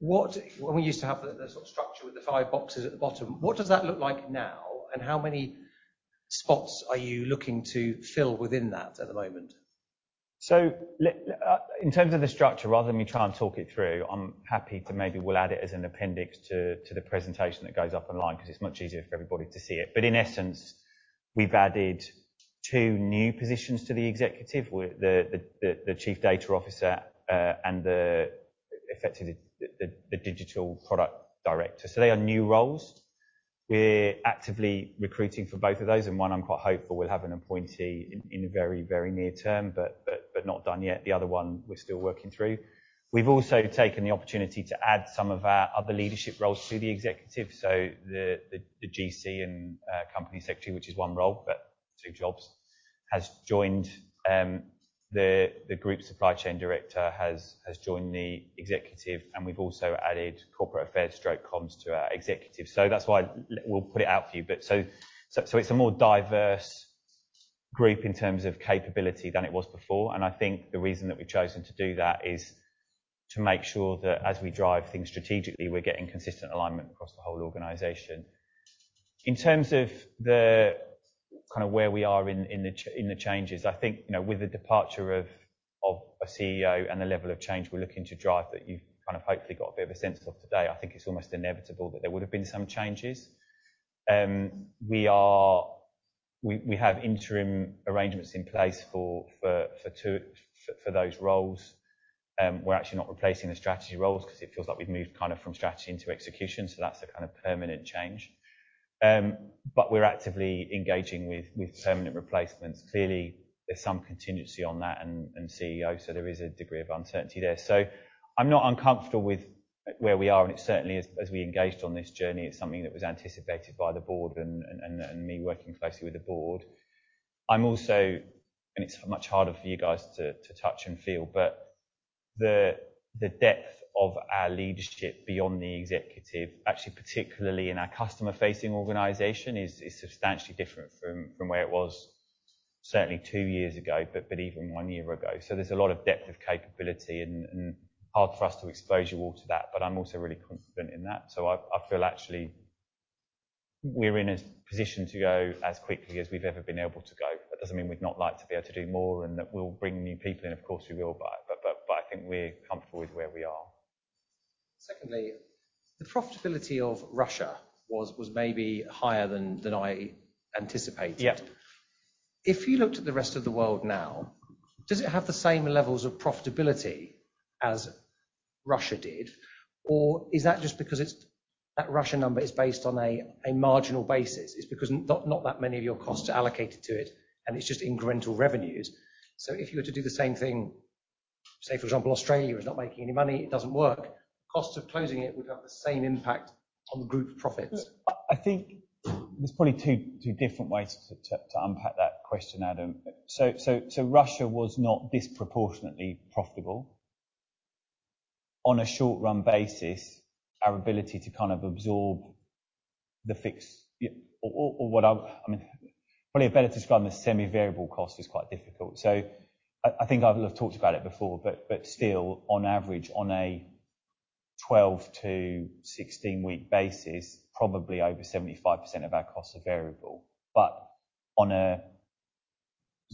When we used to have the sort of structure with the five boxes at the bottom, what does that look like now, and how many spots are you looking to fill within that at the moment? In terms of the structure, rather than me try and talk it through, I'm happy to maybe we'll add it as an appendix to the presentation that goes up online, 'cause it's much easier for everybody to see it. In essence, we've added two new positions to the executive with the Chief Data Officer and effectively the Digital Product Director. They are new roles. We're actively recruiting for both of those, and one I'm quite hopeful we'll have an appointee in very near term, but not done yet. The other one we're still working through. We've also taken the opportunity to add some of our other leadership roles to the executive. The GC and company secretary, which is one role, but two jobs, has joined the group supply chain director has joined the executive, and we've also added corporate affairs stroke comms to our executive. That's why we'll put it out for you. It's a more diverse group in terms of capability than it was before, and I think the reason that we've chosen to do that is to make sure that as we drive things strategically, we're getting consistent alignment across the whole organization. In terms of where we are in the changes, I think, you know, with the departure of a CEO and the level of change we're looking to drive that you've kind of hopefully got a bit of a sense of today, I think it's almost inevitable that there would've been some changes. We have interim arrangements in place for those roles. We're actually not replacing the strategy roles 'cause it feels like we've moved kind of from strategy into execution, so that's a kind of permanent change. We're actively engaging with permanent replacements. Clearly, there's some contingency on that and CEO, so there is a degree of uncertainty there. I'm not uncomfortable with where we are, and it certainly as we engaged on this journey, it's something that was anticipated by the board and me working closely with the board. I'm also, and it's much harder for you guys to touch and feel, but the depth of our leadership beyond the executive, actually particularly in our customer-facing organization, is substantially different from where it was certainly two years ago, but even one year ago. There's a lot of depth of capability and hard for us to expose you all to that, but I'm also really confident in that. I feel actually we're in a strong position to go as quickly as we've ever been able to go. That doesn't mean we'd not like to be able to do more and that we'll bring new people in. Of course, we will. I think we're comfortable with where we are. Secondly, the profitability of Russia was maybe higher than I anticipated. Yeah. If you looked at the rest of the world now, does it have the same levels of profitability as Russia did, or is that just because it's that Russia number is based on a marginal basis? It's because not that many of your costs are allocated to it, and it's just incremental revenues. If you were to do the same thing, say for example, Australia was not making any money, it doesn't work, cost of closing it would have the same impact on the group profits. Look, I think there's probably two different ways to unpack that question, Adam. Russia was not disproportionately profitable. On a short-run basis, our ability to kind of absorb the fixed, you know, or I mean, probably a better to describe them as semi-variable cost is quite difficult. I think I've talked about it before, but still, on average, on a 12-16-week basis, probably over 75% of our costs are variable. But on a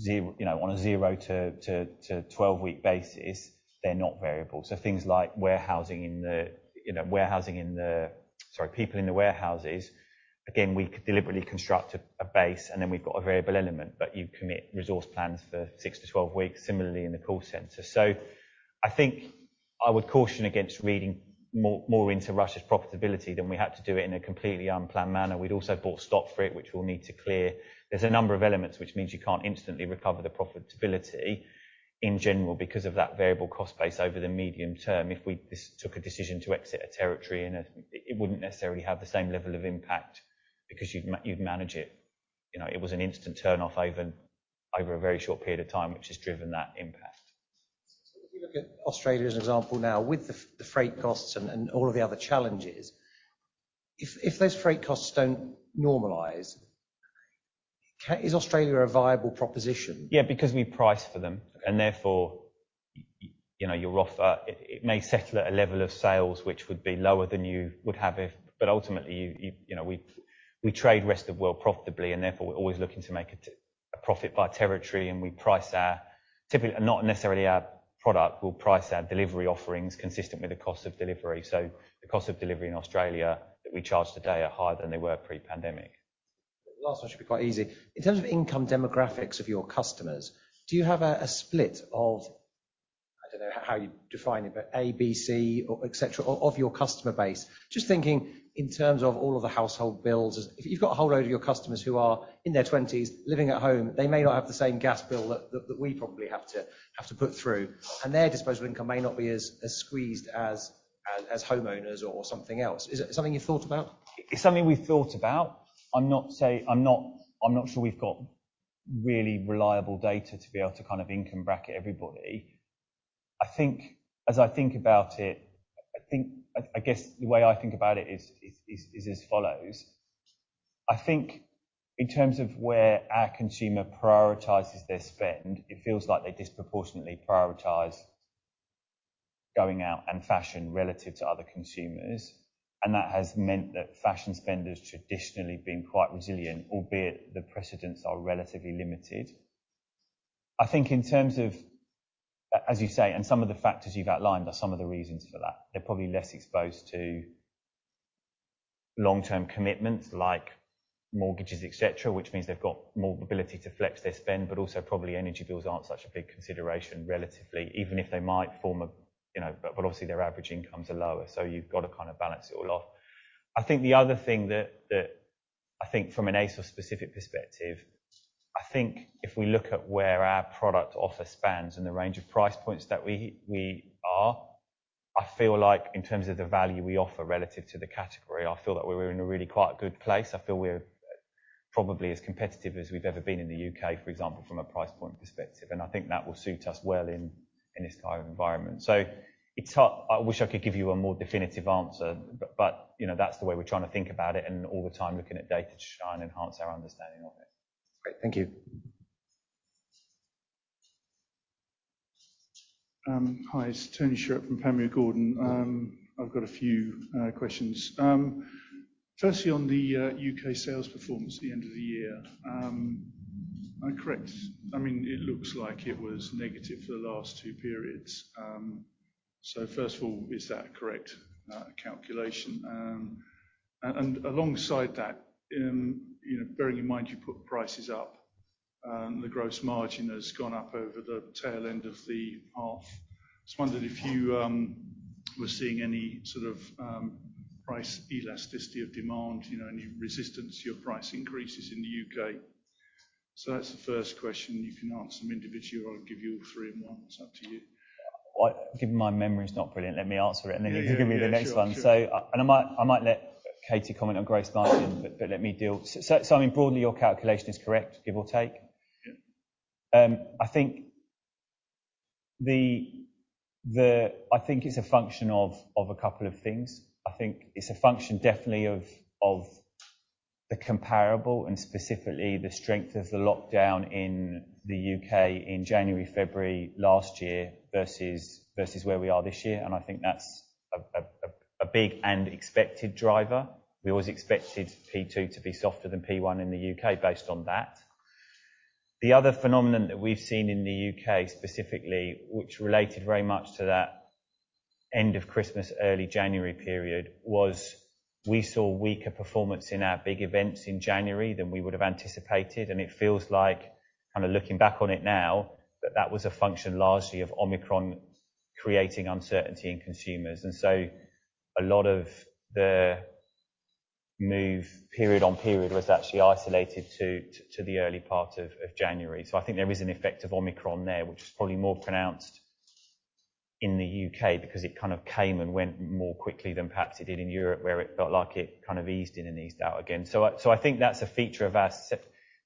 zero to 12-week basis, they're not variable. Things like warehousing, you know, people in the warehouses, again, we deliberately construct a base, and then we've got a variable element. You commit resource plans for six to 12 weeks, similarly in the call center. I think I would caution against reading more into Russia's profitability than we had to do it in a completely unplanned manner. We'd also bought stock for it, which we'll need to clear. There's a number of elements which means you can't instantly recover the profitability in general because of that variable cost base over the medium term. If we just took a decision to exit a territory, it wouldn't necessarily have the same level of impact because you'd manage it. You know, it was an instant turn off over a very short period of time, which has driven that impact. If you look at Australia as an example now, with the freight costs and all of the other challenges, if those freight costs don't normalize, is Australia a viable proposition? Yeah, because we price for them, and therefore, you know, your offer, it may settle at a level of sales which would be lower than you would have if. But ultimately, you know, we trade Rest of World profitably, and therefore we're always looking to make a profit by territory, and we typically price our delivery offerings consistent with the cost of delivery. The cost of delivery in Australia that we charge today are higher than they were pre-pandemic. Last one should be quite easy. In terms of income demographics of your customers, do you have a split of, I don't know how you define it, but A, B, C or et cetera, of your customer base? Just thinking in terms of all of the household bills. If you've got a whole load of your customers who are in their twenties living at home, they may not have the same gas bill that we probably have to put through, and their disposable income may not be as squeezed as homeowners or something else. Is it something you've thought about? It's something we've thought about. I'm not sure we've got really reliable data to be able to kind of income bracket everybody. I guess the way I think about it is as follows: I think in terms of where our consumer prioritizes their spend, it feels like they disproportionately prioritize going out and fashion relative to other consumers. That has meant that fashion spend has traditionally been quite resilient, albeit the precedents are relatively limited. I think in terms of as you say and some of the factors you've outlined are some of the reasons for that. They're probably less exposed to long-term commitments like mortgages, et cetera, which means they've got more ability to flex their spend, but also probably energy bills aren't such a big consideration relatively, even if they might form a, you know, but obviously their average incomes are lower, so you've got to kind of balance it all off. I think the other thing that I think from an ASOS specific perspective, I think if we look at where our product offer spans and the range of price points that we are, I feel like in terms of the value we offer relative to the category, I feel that we're in a really quite good place. I feel we're probably as competitive as we've ever been in the U.K., for example, from a price point perspective, and I think that will suit us well in this kind of environment. I wish I could give you a more definitive answer, but you know, that's the way we're trying to think about it and all the time looking at data to try and enhance our understanding of it. Great. Thank you. Hi, it's Tony Shiret from Panmure Gordon. I've got a few questions. Firstly, on the U.K. sales performance at the end of the year. Am I correct, I mean, it looks like it was negative for the last two periods. First of all, is that a correct calculation? Alongside that, you know, bearing in mind you put prices up and the gross margin has gone up over the tail end of the half, just wondered if you were seeing any sort of price elasticity of demand, you know, any resistance to your price increases in the U.K. That's the first question. You can answer them individually or I'll give you all three in one. It's up to you. Well, given my memory's not brilliant, let me answer it, and then you can give me the next one. Yeah, yeah. Sure, sure. I might let Katy comment on gross margin. I mean, broadly, your calculation is correct, give or take. Yeah. I think it's a function of a couple of things. I think it's a function definitely of the comparable and specifically the strength of the lockdown in the U.K. in January, February last year versus where we are this year, and I think that's a big and expected driver. We always expected P2 to be softer than P1 in the U.K. based on that. The other phenomenon that we've seen in the U.K. specifically, which related very much to that end of Christmas, early January period, was we saw weaker performance in our big events in January than we would have anticipated, and it feels like, kind of looking back on it now, that was a function largely of Omicron creating uncertainty in consumers. A lot of the move period on period was actually isolated to the early part of January. I think there is an effect of Omicron there, which is probably more pronounced in the U.K. because it kind of came and went more quickly than perhaps it did in Europe, where it felt like it kind of eased in and eased out again. I think that's a feature of our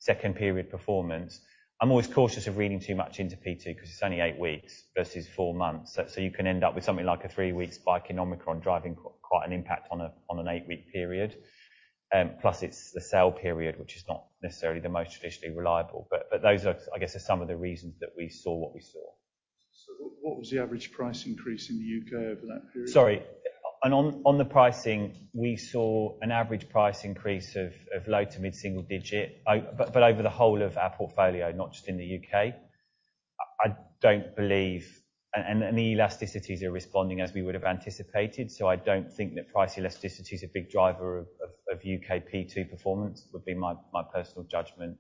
second period performance. I'm always cautious of reading too much into P2 because it's only eight weeks versus four months. You can end up with something like a three-week spike in Omicron driving quite an impact on an eight-week period. Plus it's the sale period, which is not necessarily the most traditionally reliable, but those are, I guess, some of the reasons that we saw what we saw. What was the average price increase in the U.K. over that period? Sorry. On the pricing, we saw an average price increase of low- to mid-single-digit, but over the whole of our portfolio, not just in the U.K. I don't believe the elasticities are responding as we would have anticipated. I don't think that price elasticity is a big driver of U.K. P2 performance, would be my personal judgment.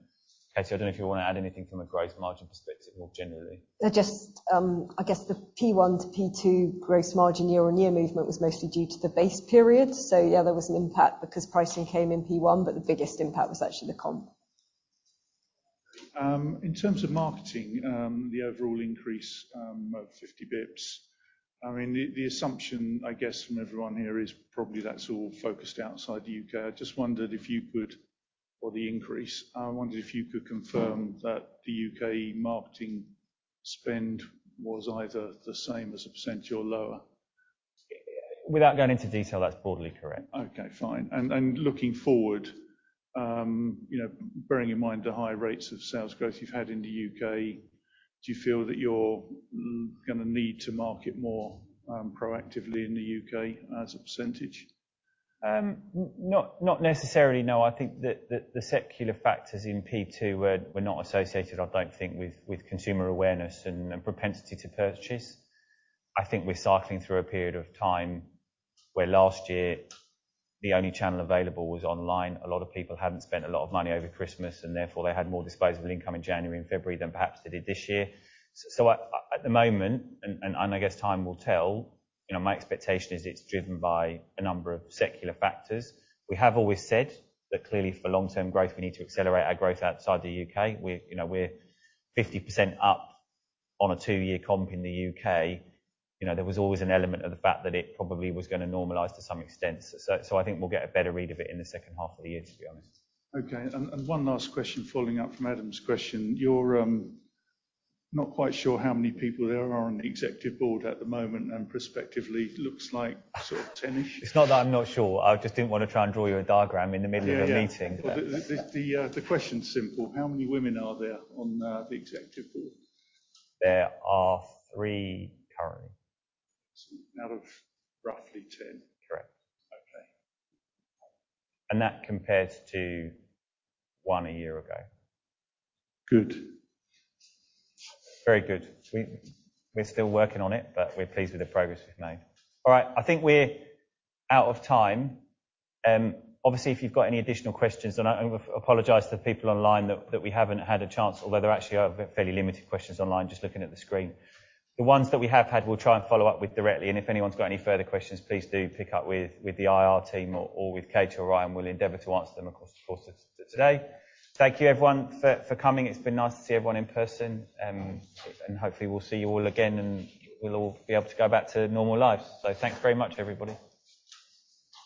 Katy, I don't know if you want to add anything from a gross margin perspective more generally. Just, I guess the P1 to P2 gross margin year-on-year movement was mostly due to the base period. Yeah, there was an impact because pricing came in P1, but the biggest impact was actually the comp. In terms of marketing, the overall increase of 50 basis points, I mean, the assumption, I guess from everyone here is probably that's all focused outside the U.K. I wondered if you could confirm that the U.K. Marketing spend was either the same as a percent or lower. Without going into detail, that's broadly correct. Okay, fine. Looking forward, you know, bearing in mind the high rates of sales growth you've had in the U.K., do you feel that you're gonna need to market more proactively in the U.K. as a percentage? Not necessarily, no. I think the secular factors in P2 were not associated, I don't think, with consumer awareness and propensity to purchase. I think we're cycling through a period of time where last year the only channel available was online. A lot of people hadn't spent a lot of money over Christmas, and therefore they had more disposable income in January and February than perhaps they did this year. At the moment, I guess time will tell, you know, my expectation is it's driven by a number of secular factors. We have always said that clearly for long-term growth, we need to accelerate our growth outside the U.K. You know, we're 50% up on a two-year comp in the U.K. You know, there was always an element of the fact that it probably was gonna normalize to some extent. I think we'll get a better read of it in the second half of the year, to be honest. Okay. One last question following up from Adam's question. You're not quite sure how many people there are on the executive board at the moment, and prospectively looks like sort of 10-ish. It's not that I'm not sure. I just didn't wanna try and draw you a diagram in the middle of a meeting. Yeah, yeah. The question's simple. How many women are there on the executive board? There are three currently. Out of roughly 10? Correct. Okay. That compares to one a year ago. Good. Very good. We're still working on it, but we're pleased with the progress we've made. All right, I think we're out of time. Obviously, if you've got any additional questions, I apologize to the people online that we haven't had a chance. Although there actually are fairly limited questions online, just looking at the screen. The ones that we have had, we'll try and follow up with directly, and if anyone's got any further questions, please do pick up with the IR team or with Katy or Ryan. We'll endeavor to answer them across the course of today. Thank you, everyone, for coming. It's been nice to see everyone in person. Hopefully we'll see you all again, and we'll all be able to go back to normal lives. Thanks very much, everybody.